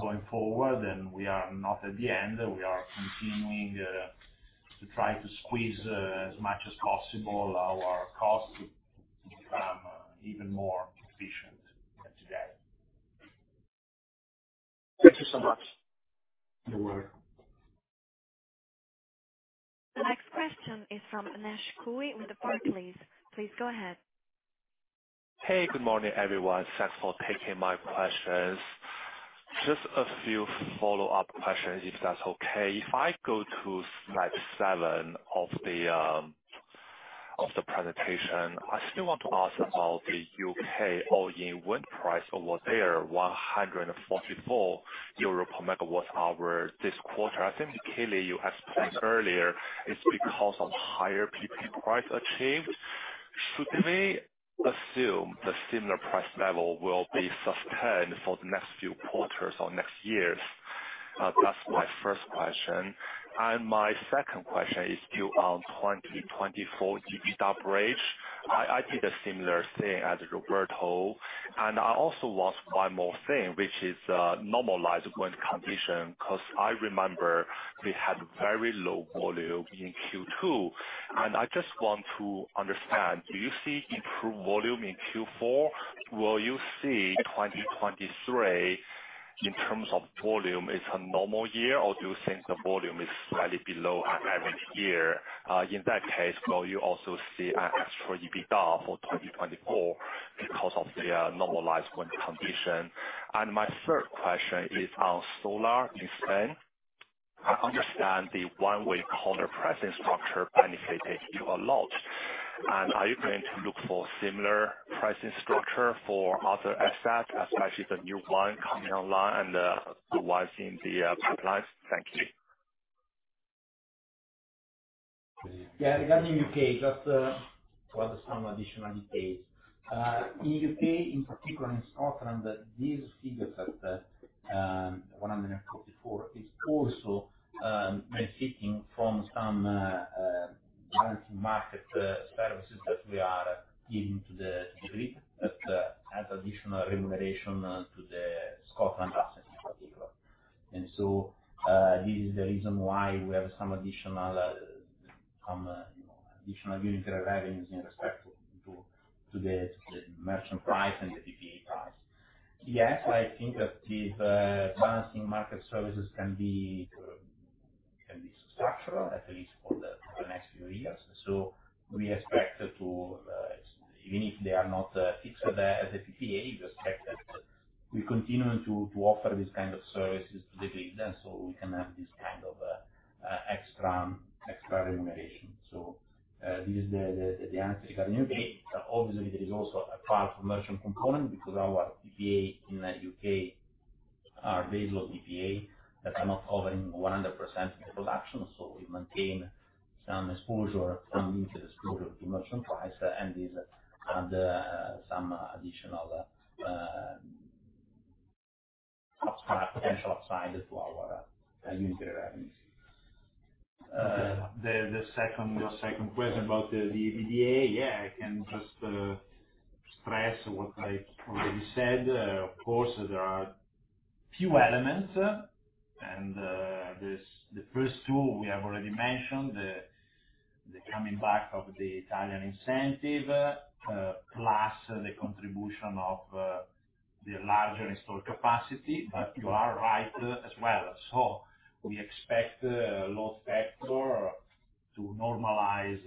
going forward. We are not at the end. We are continuing to try to squeeze as much as possible our costs to become even more efficient than today. Thank you so much. You're welcome. The next question is from Nash Cui, with the Barclays, please. Please go ahead. Hey, good morning, everyone. Thanks for taking my questions. Just a few follow-up questions, if that's okay. If I go to slide 7 of the presentation, I still want to ask about the U.K. all-in wind price over there, 144 euro/MWh this quarter. I think, Michele, you explained earlier, it's because of higher PPA price achieved. Should we assume the similar price level will be sustained for the next few quarters or next years? That's my first question. My second question is still on 2024 EBITDA bridge. I did a similar thing as Roberto, and I also want one more thing, which is normalized wind condition, because I remember we had very low volume in Q2. I just want to understand, do you see improved volume in Q4? Will you see 2023, in terms of volume, is a normal year, or do you think the volume is slightly below an average year? In that case, will you also see an extra EBITDA for 2024 because of the normalized wind condition? My third question is on solar in Spain. I understand the one-way collar pricing structure benefited you a lot. Are you going to look for similar pricing structure for other assets, especially the new one coming online and the ones in the pipelines? Thank you. Yeah, regarding U.K., just to add some additional details. In U.K., in particular in Scotland, these figures at 144/MWh is also benefiting from some balancing market services that we are giving to the grid, but as additional remuneration to the Scotland assets in particular. This is the reason why we have some additional, you know, additional unit revenues in respect to the merchant price and the PPA price. Yes, I think that these balancing market services can be structural, at least for the next few years. So we expect to, even if they are not fixed at the as a PPA, we expect that we continue to offer these kind of services to the grid, and so we can have this kind of extra remuneration. So this is the answer. Obviously, there is also a part of merchant component, because our PPA in the U.K. are baseload PPA that are not covering 100% of the production. So we maintain some exposure into the merchant price, and these add some additional potential upside to our unit earnings. Your second question about the EBITDA. Yeah, I can just stress what I already said. Of course, there are few elements, and this, the first two we have already mentioned, the coming back of the Italian Incentives, plus the contribution of the larger installed capacity, but you are right as well. So we expect load factor to normalize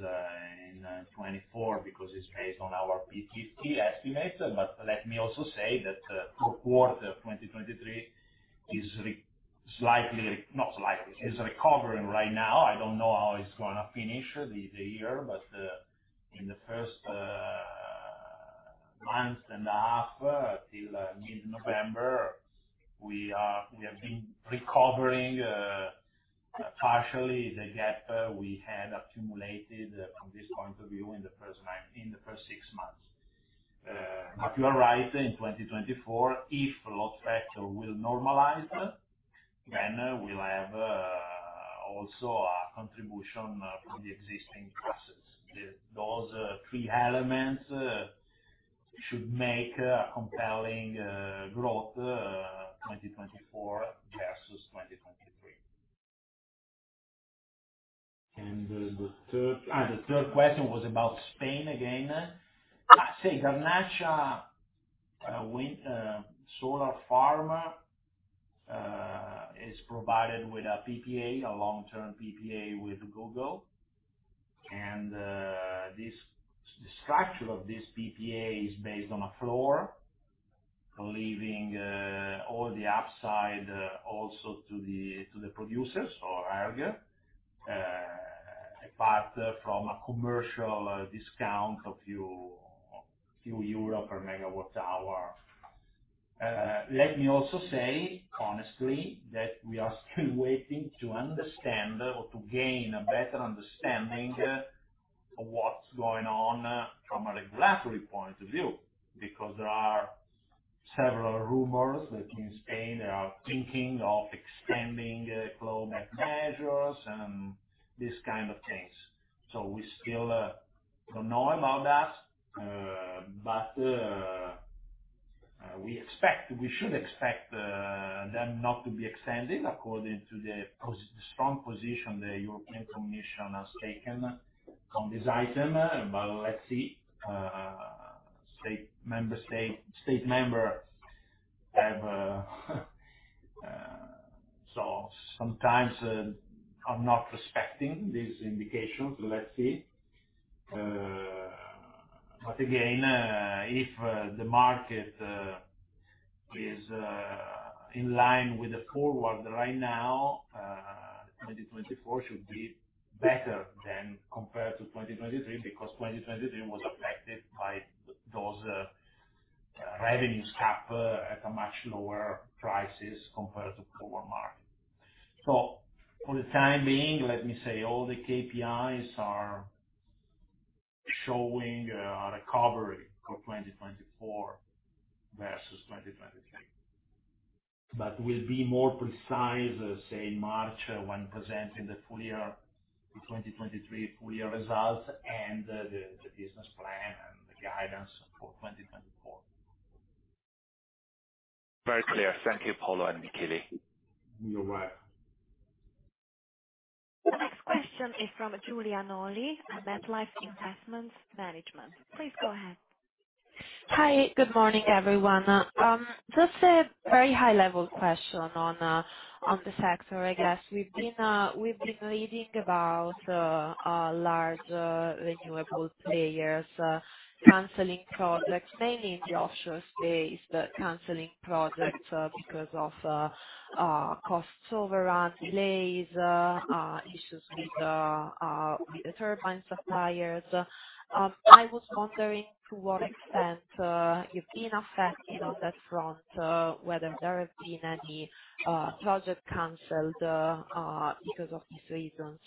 in 2024, because it's based on our P50 estimate. Let me also say that Q4 of 2023 is recovering right now. I don't know how it's gonna finish the year, but in the first month and a half, till mid-November, we have been recovering partially the gap we had accumulated from this point of view in the first six months. But you are right, in 2024, if load factor will normalize, then we'll have also a contribution from the existing assets. Those three elements should make a compelling growth, 2024 versus 2023. The third question was about Spain again. Garnacha solar farm is provided with a PPA, a long-term PPA with Google. The structure of this PPA is based on a floor, leaving all the upside also to the producers or owner, apart from a commercial discount of a few euros per megawatt hour. Let me also say honestly that we are still waiting to understand or to gain a better understanding of what's going on from a regulatory point of view, because there are several rumors that in Spain they are thinking of extending global measures and these kind of things. So we still don't know about that, but we expect, we should expect, them not to be extended according to the strong position the European Commission has taken on this item. Let's see, states members have, so sometimes are not respecting these indications, so let's see. But again, if the market is in line with the forward right now, 2024 should be better than compared to 2023, because 2023 was affected by those revenues cap at a much lower prices compared to forward market. So for the time being, let me say, all the KPIs are showing a recovery for 2024 versus 2023. We'll be more precise, say, in March, when presenting the full year, the 2023 full year results and the business plan and the guidance for 2024. Very clear. Thank you, Paolo and Michele. You're welcome. The next question is from Giulia Noli at MetLife Investment Management. Please go ahead. Hi. Good morning, everyone. Just a very high-level question on the sector, I guess. We've been reading about large renewable players canceling projects, mainly in the offshore space, canceling projects because of cost overruns, delays, issues with the turbine suppliers. I was wondering, to what extent you've been affected on that front, whether there have been any project canceled because of these reasons,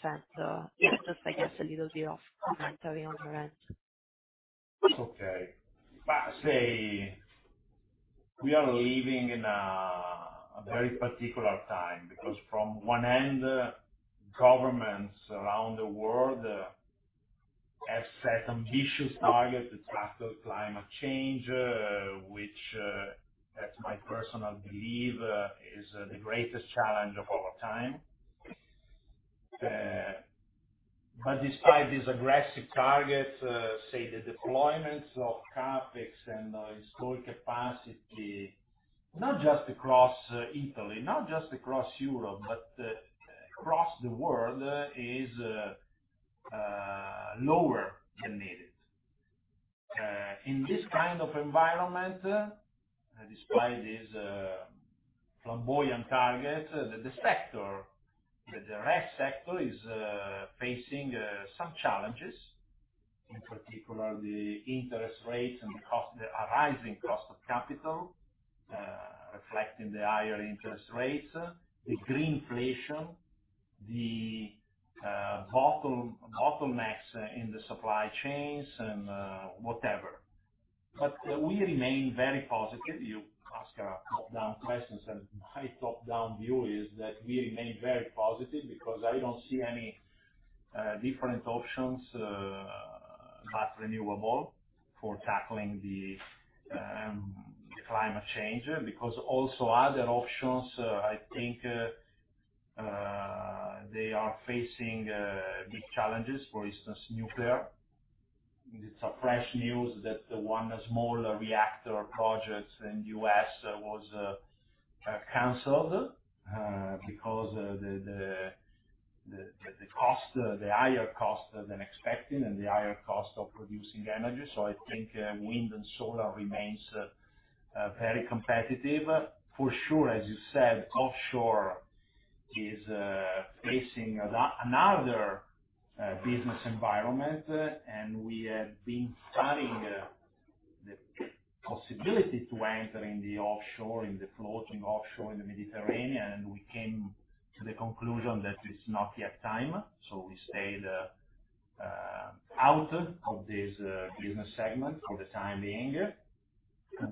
and just, I guess, a little bit of commentary on your end. Okay. We are living in a very particular time, because from one end, governments around the world have set ambitious targets to tackle climate change, which, that's my personal belief, is the greatest challenge of our time. Despite these aggressive targets, the deployments of CapEx and installed capacity, not just across Italy, not just across Europe, but across the world, is lower than needed. In this kind of environment, despite these flamboyant targets, the sector, the direct sector is facing some challenges. In particular, the interest rates and cost, the arising cost of capital, reflecting the higher interest rates, the green inflation, the bottlenecks in the supply chains and whatever. But we remain very positive. You ask a top-down question, and my top-down view is that we remain very positive, because I don't see any different options but renewable for tackling the climate change. Also other options, I think, they are facing big challenges, for instance, nuclear. It's fresh news that one small reactor projects in U.S. was canceled because the cost, the higher cost than expected and the higher cost of producing energy. So I think, wind and solar remains very competitive. For sure, as you said, offshore is facing another business environment, and we have been studying the possibility to entering the offshore, in the floating offshore in the Mediterranean, and we came to the conclusion that it's not yet time. So we stayed out of this business segment for the time being.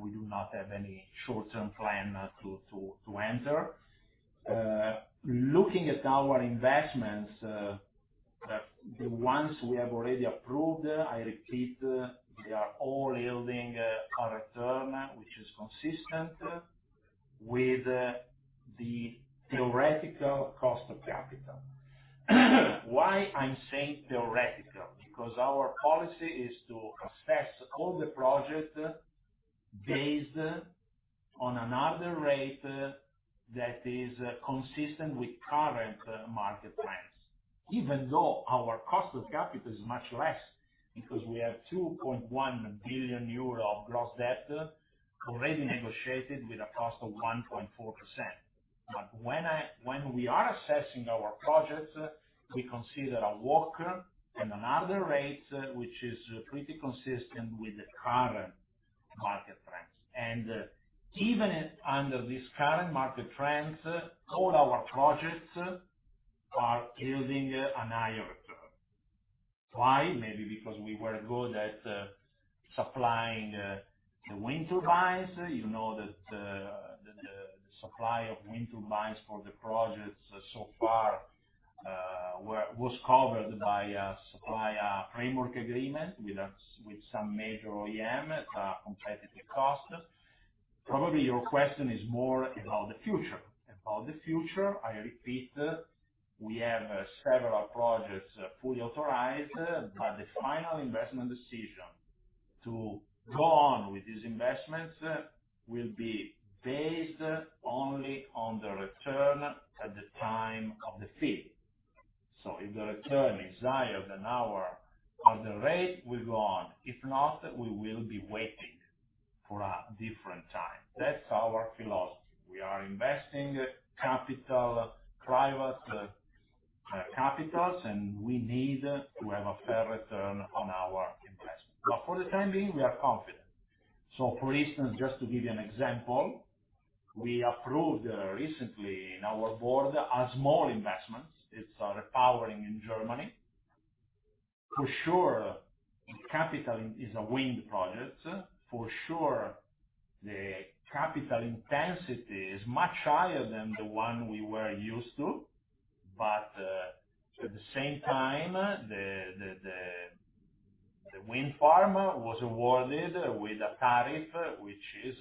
We do not have any short-term plan to enter. Looking at our investments, the ones we have already approved, I repeat, they are all yielding a return which is consistent with the theoretical cost of capital. Why I'm saying theoretical? Because our policy is to assess all the projects based on another rate that is consistent with current market trends, even though our cost of capital is much less, because we have 2.1 billion euro of gross debt already negotiated with a cost of 1.4%. But when we are assessing our projects, we consider a WACC and another rate, which is pretty consistent with the current market trends. Even under this current market trends, all our projects are yielding a higher return. Why? Maybe because we were good at supplying the wind turbines. You know, that the supply of wind turbines for the projects so far was covered by a supplier framework agreement with some major OEM at a competitive cost. Probably, your question is more about the future. About the future, I repeat, we have several projects fully authorized, but the final investment decision to go on with these investments will be based only on the return at the time of the FID. So if the return is higher than our other rate, we go on. If not, we will be waiting for a different time. That's our philosophy. We are investing capital, private capitals, and we need to have a fair return on our investment. But for the time being, we are confident. So for instance, just to give you an example, we approved recently in our Board, a small investment. It's a repowering in Germany. For sure, CapEx is a wind project. For sure, the capital intensity is much higher than the one we were used to, but at the same time, the wind farm was awarded with a tariff, which is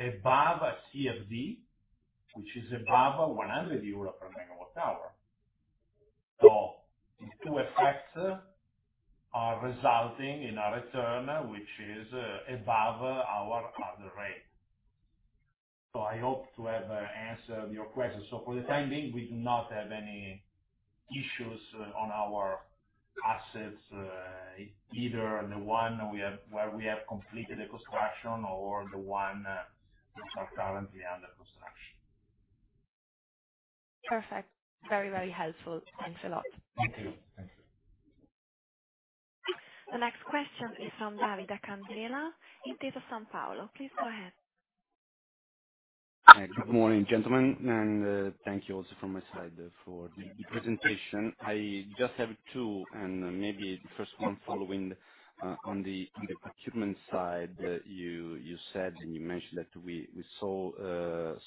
above CFD, which is above EUR 100/MWh. So these two effects are resulting in a return which is above our other rate. So I hope to have answered your question. So for the time being, we do not have any issues on our assets, either the one we have, where we have completed the construction or the one which are currently under construction. Perfect. Very, very helpful. Thanks a lot. Thank you. The next question is from Davide Candela, Intesa Sanpaolo. Please go ahead. Hi, good morning, gentlemen, and thank you also from my side for the presentation. I just have two, and maybe the first one following on the procurement side. You said, and you mentioned that we saw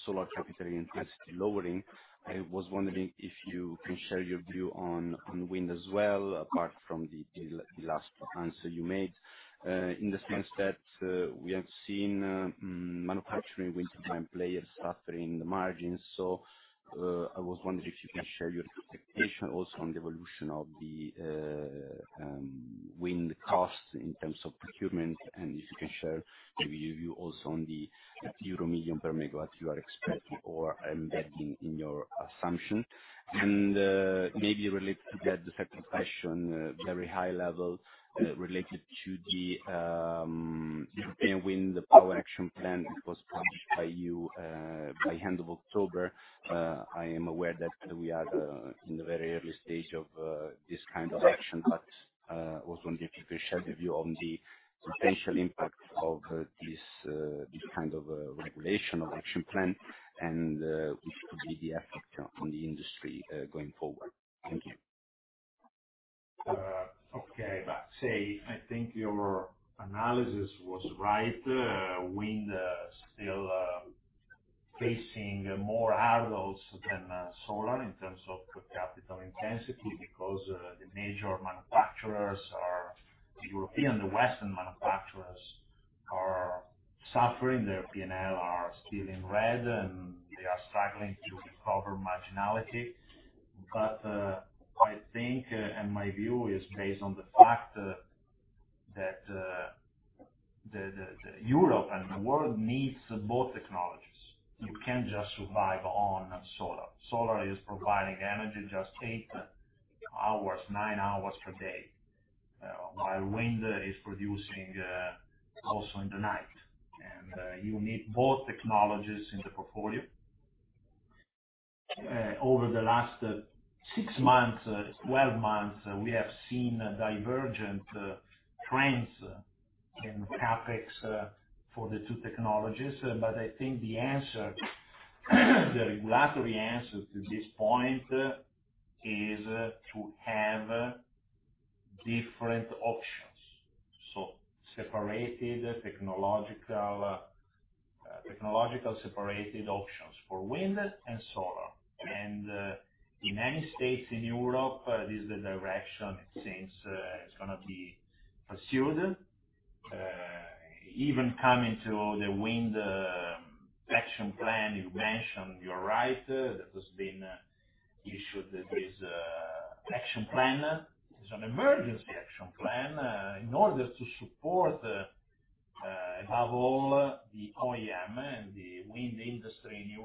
solar capital intensity lowering. I was wondering if you can share your view on wind as well, apart from the last answer you made. In the sense that we have seen manufacturing wind turbine players suffering the margins. So, I was wondering if you can share your expectation also on the evolution of the wind costs in terms of procurement, and if you can share your view also on the euro million per megawatt you are expecting or embedding in your assumption. Maybe related to that, the second question, very high level, related to the European Wind Power Action Plan that was published by you by end of October. I am aware that we are in the very early stage of this kind of action, but also wondering if you can share your view on the potential impact of this kind of regulation or action plan, and which could be the effect on the industry going forward. Thank you. Okay. Let's say, I think your analysis was right. Wind still facing more hurdles than solar in terms of capital intensity, because the major manufacturers are European. The Western manufacturers are suffering, their P&L are still in red, and they are struggling to recover marginality. I think, and my view is based on the fact that Europe and the world needs both technologies. You can't just survive on solar. Solar is providing energy just eight hours, nine hours per day, while wind is producing also in the night. You need both technologies in the portfolio. Over the last six months, 12 months, we have seen divergent trends in CapEx for the two technologies. But I think the answer, the regulatory answer to this point, is to have different options. So separated technological separated options for wind and solar. In many states in Europe, this is the direction it seems it's gonna be pursued, even coming to the wind action plan you mentioned, you're right. That has been issued. There is an action plan. It's an emergency action plan in order to support above all, the OEM and the wind industry in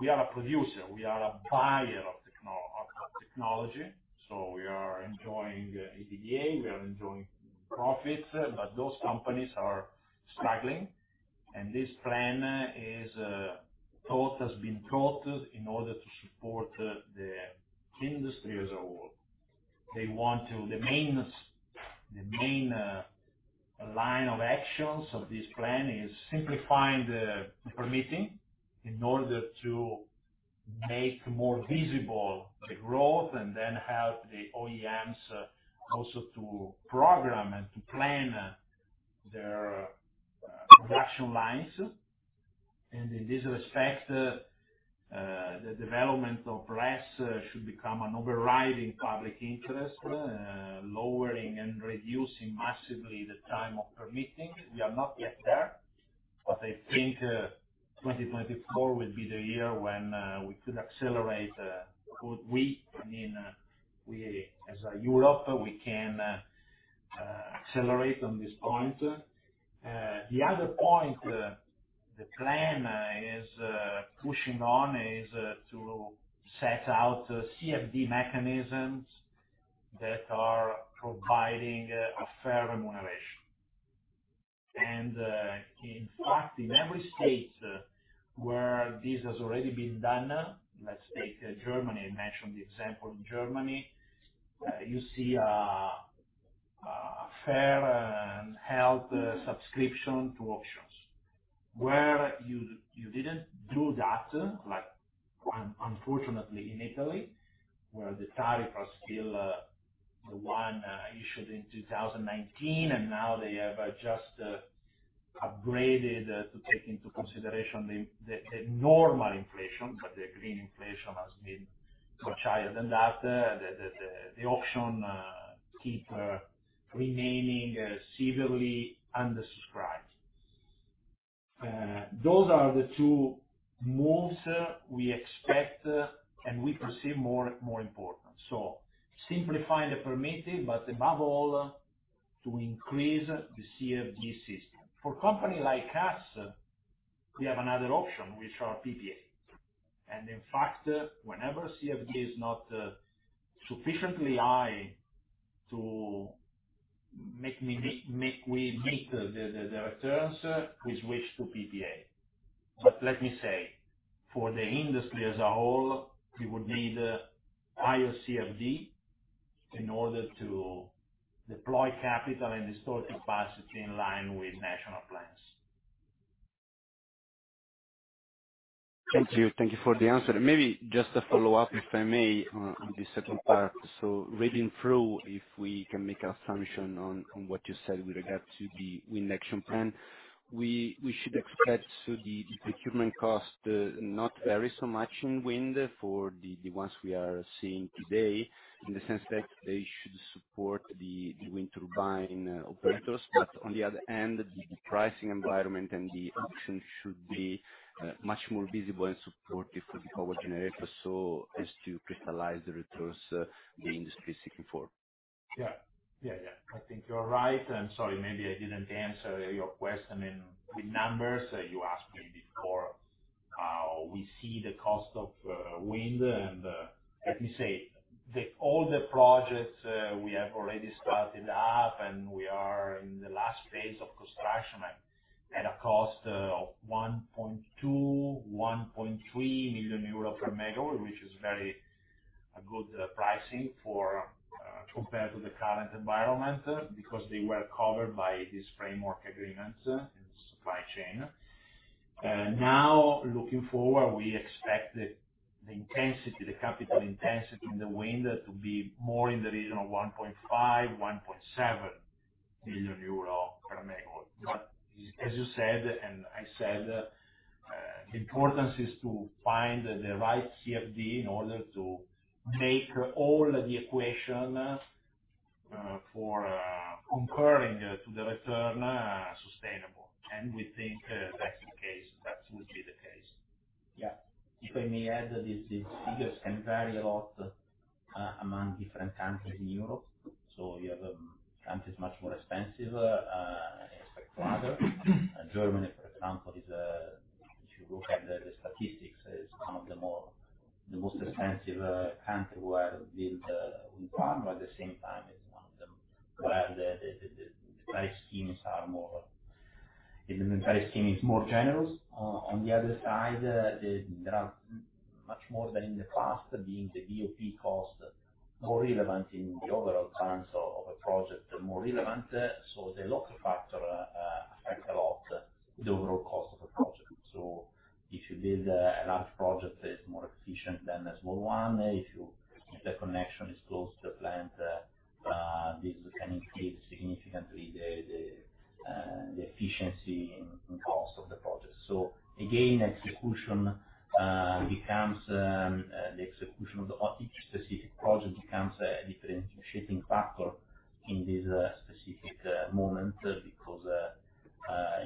Europe. We are a producer, we are a buyer of technology, so we are enjoying EBITDA, we are enjoying profits, but those companies are struggling, and this plan is thought, has been thought in order to support the industry as a whole. They want to... The main line of actions of this plan is simplifying the permitting in order to make more visible the growth and then help the OEMs also to program and to plan their production lines. In this respect, the development of RES should become an overriding public interest, lowering and reducing massively the time of permitting. We are not yet there, but I think 2024 will be the year when we could accelerate. I mean, we as Europe, we can accelerate on this point. The other point, the plan is pushing on, is to set out CFD mechanisms that are providing a fair remuneration. In fact, in every state where this has already been done, let's take Germany. I mentioned the example in Germany, you see, a fair and healthy subscription to auctions. Where you didn't do that, like unfortunately in Italy, where the tariffs are still the ones issued in 2019, and now they have just upgraded to take into consideration the normal inflation, but the green inflation has been much higher than that. The auctions keep remaining severely undersubscribed. Those are the 2 moves we expect and we perceive more important. So simplifying the permitting, but above all, to increase the CFD system. For companies like us, we have another option, which are PPA. In fact, whenever CFD is not sufficiently high to make us meet the returns, we switch to PPA. But let me say, for the industry as a whole, we would need higher CFD in order to deploy capital and restore capacity in line with national plans. Thank you. Thank you for the answer. Maybe just a follow-up, if I may, on the second part. So reading through, if we can make an assumption on what you said with regard to the wind action plan, we should expect the procurement cost not vary so much in wind for the ones we are seeing today, in the sense that they should support the wind turbine operators. But on the other hand, the pricing environment and the auction should be much more visible and supportive for the power generators, so as to crystallize the returns the industry is looking for. Yeah. Yeah, yeah. I think you're right, and sorry, maybe I didn't answer your question with numbers. You asked me before, we see the cost of wind and, let me say, all the projects we have already started up, and we are in the last phase of construction at a cost of 1.2 million-1.3 million euro/MW, which is very good pricing for compared to the current environment, because they were covered by this framework agreements in supply chain. Now, looking forward, we expect the intensity, the capital intensity in the wind to be more in the region of 1.5 million-1.7 million euro/MW. But as you said, and I said, the importance is to find the right CFD in order to make all the equation for concurring to the return sustainable. We think that's the case. That will be the case. Yeah. If I may add, these figures can vary a lot among different countries in Europe. So you have countries much more expensive than the others. Germany, for example, is if you look at the statistics, some of the more, the most expensive country where build wind farm, but at the same time, it's one of them where the price schemes are more generous. On the other side, there are much more than in the past being the BoP cost more relevant in the overall terms of a project, more relevant. So the local factor affect a lot the overall cost of a project. So if you build a large project, it's more efficient than a small one. If the connection is close to the plant, this can increase significantly the efficiency and cost of the project. So again, the execution of each specific project becomes a differentiating factor in this specific moment, because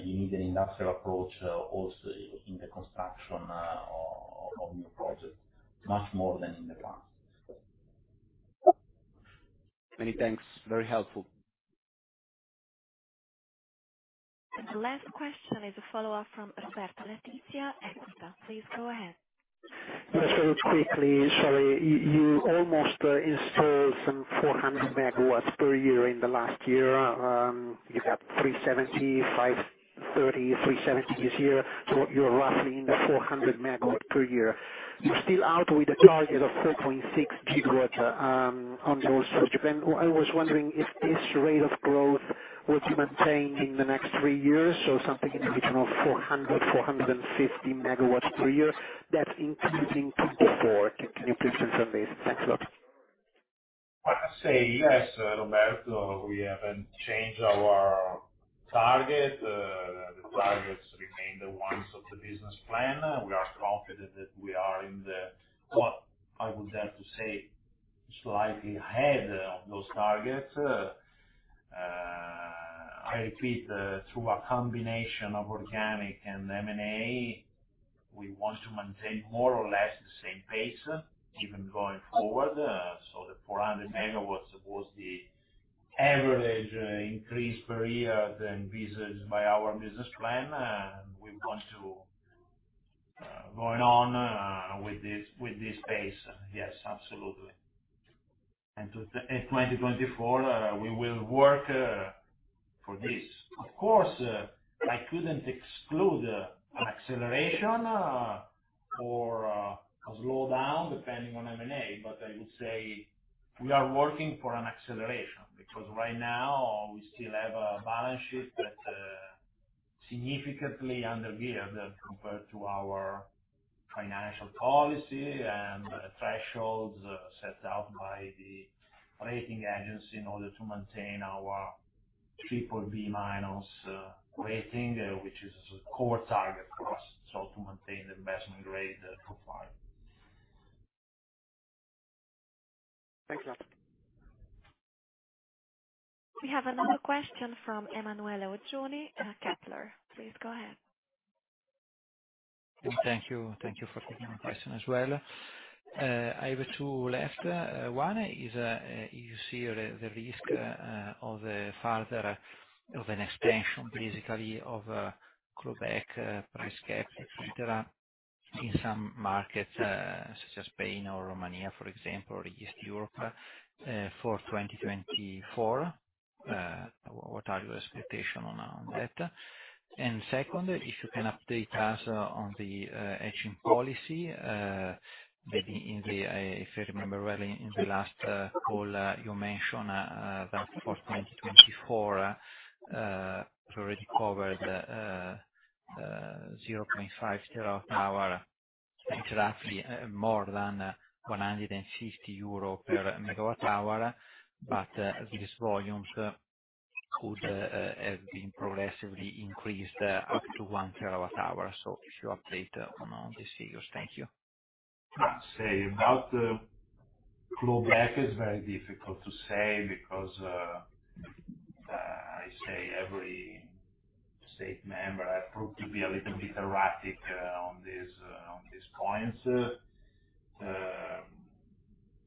you need an industrial approach also in the construction of new projects, much more than in the past. Many thanks. Very helpful. The last question is a follow-up from Roberto Letizia, EQUITA. Please go ahead. Paolo, quickly, sorry, you almost installed some 400 MW per year in the last year. You got 370, 530, 370 this year, so you're roughly in the 400 MW per year. You're still out with a target of 4.6 GW. I was wondering if this rate of growth would be maintained in the next three years, so something in the region of 400-450 MW per year, that including 2024. Can you please confirm this? Thanks a lot. I say, yes, Roberto, we haven't changed our target. The targets remain the ones of the business plan. We are confident that we are in the, what I would dare to say, slightly ahead of those targets. I repeat, through a combination of organic, M&A, we want to maintain more or less the same pace, even going forward. So the 400 MW was the average increase per year that envisages by our business plan, and we want to going on with this pace. Yes, absolutely. In 2024, we will work for this. Of course, I couldn't exclude an acceleration or a slowdown, depending on M&A, but I would say we are working for an acceleration, because right now, we still have a balance sheet that significantly underleveraged compared to our financial policy and thresholds set out by the rating agency in order to maintain our BBB- rating, which is a core target for us. So to maintain the investment grade profile. Thanks a lot. We have another question from Emanuele Oggioni, Kepler. Please go ahead. Thank you. Thank you for taking my question as well. I have two left. One is, you see the risk of a further expansion, basically, of global gas price cap, etc., in some markets, such as Spain or Romania, for example, or East Europe, for 2024. What are your expectations on that? And second, if you can update us on the hedging policy, maybe in the, if I remember well, in the last call, you mentioned that for 2024, you already covered 0.5 TWh, and roughly more than 150 euro/MWh, but these volumes could be progressively increased up to 1 TWh. If you update on the figures. Thank you. It's very difficult to say because I say every state member proved to be a little bit erratic on these points.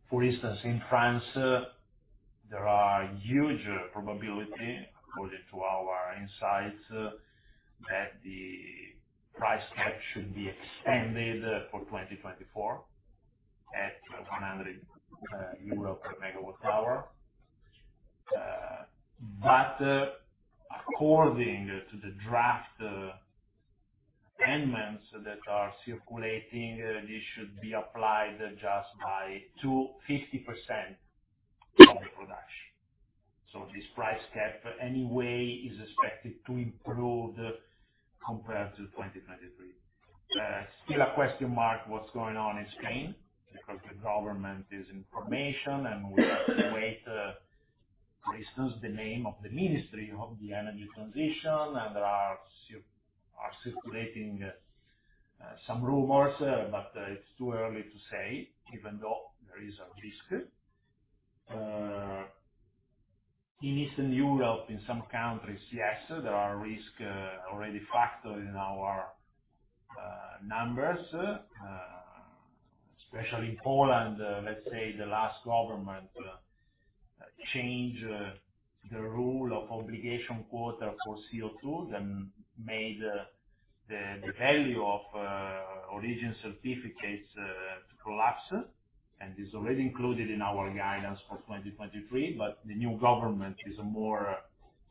For instance, in France, there are huge probability, according to our insights, that the price cap should be extended for 2024 at EUR 100/MWh. But according to the draft amendments that are circulating, this should be applied just by 250% of the production. So this price cap, anyway, is expected to improve compared to 2023. Still a question mark, what's going on in Spain, because the government is in formation, and we have to wait, for instance, the name of the Ministry of the Energy Transition, and there are circulating some rumors, but it's too early to say, even though there is a risk. In Eastern Europe, in some countries, yes, there are risks already factored in our numbers, especially in Poland, let's say, the last government changed the rule of obligation quota for CO2, then made the value of origin certificates to collapse, and is already included in our guidance for 2023, but the new government is more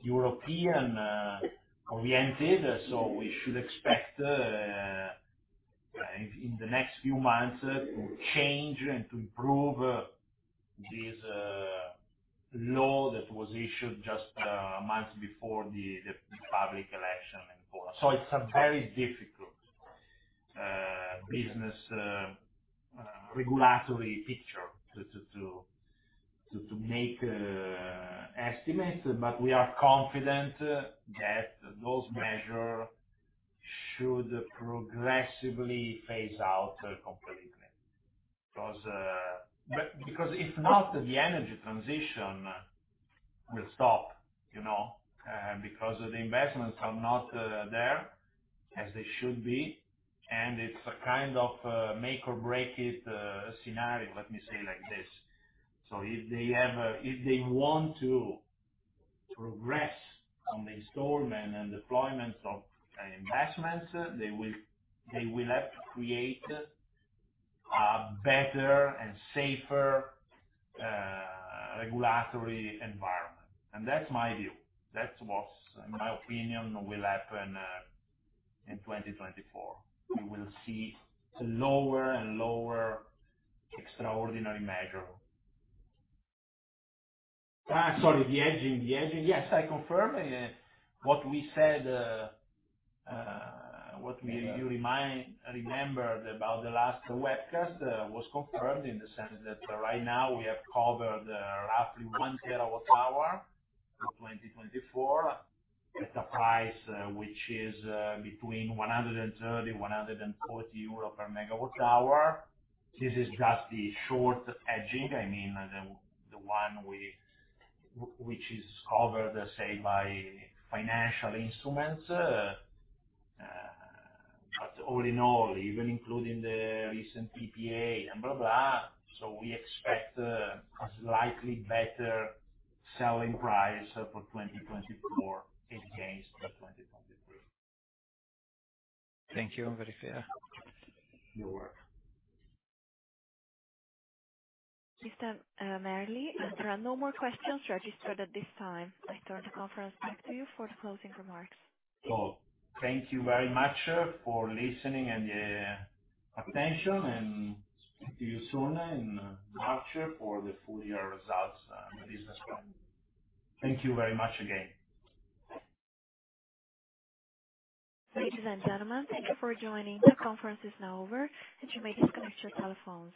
European-oriented, so we should expect in the next few months to change and to improve this law that was issued just a month before the public election in Poland. So it's a very difficult business regulatory picture to make estimates, but we are confident that those measures should progressively phase out completely. Because, because if not, the energy transition will stop, you know, because the investments are not there as they should be, and it's a kind of make or break it scenario, let me say, like this. So if they want to progress on the installment and deployment of investments, they will have to create a better and safer regulatory environment. That's my view. That's what, in my opinion, will happen in 2024. We will see a lower and lower extraordinary measure. Sorry, the hedging, the hedging. Yes, I confirm what we said, what we—you remind, remembered about the last webcast, was confirmed in the sense that right now we have covered roughly 1 TWh for 2024, at a price which is between 130-140 euro/MWh. This is just the short hedging, I mean, the one we which is covered, say, by financial instruments, but all in all, even including the recent PPA and blah, blah. So we expect a slightly better selling price for 2024 against 2023. Thank you. Very clear. You're welcome. Mr. Merli, there are no more questions registered at this time. I turn the conference back to you for the closing remarks. Thank you very much for listening and attention, and speak to you soon in March for the full year results and business plan. Thank you very much again. Ladies and gentlemen, thank you for joining. The conference is now over, and you may disconnect your telephones.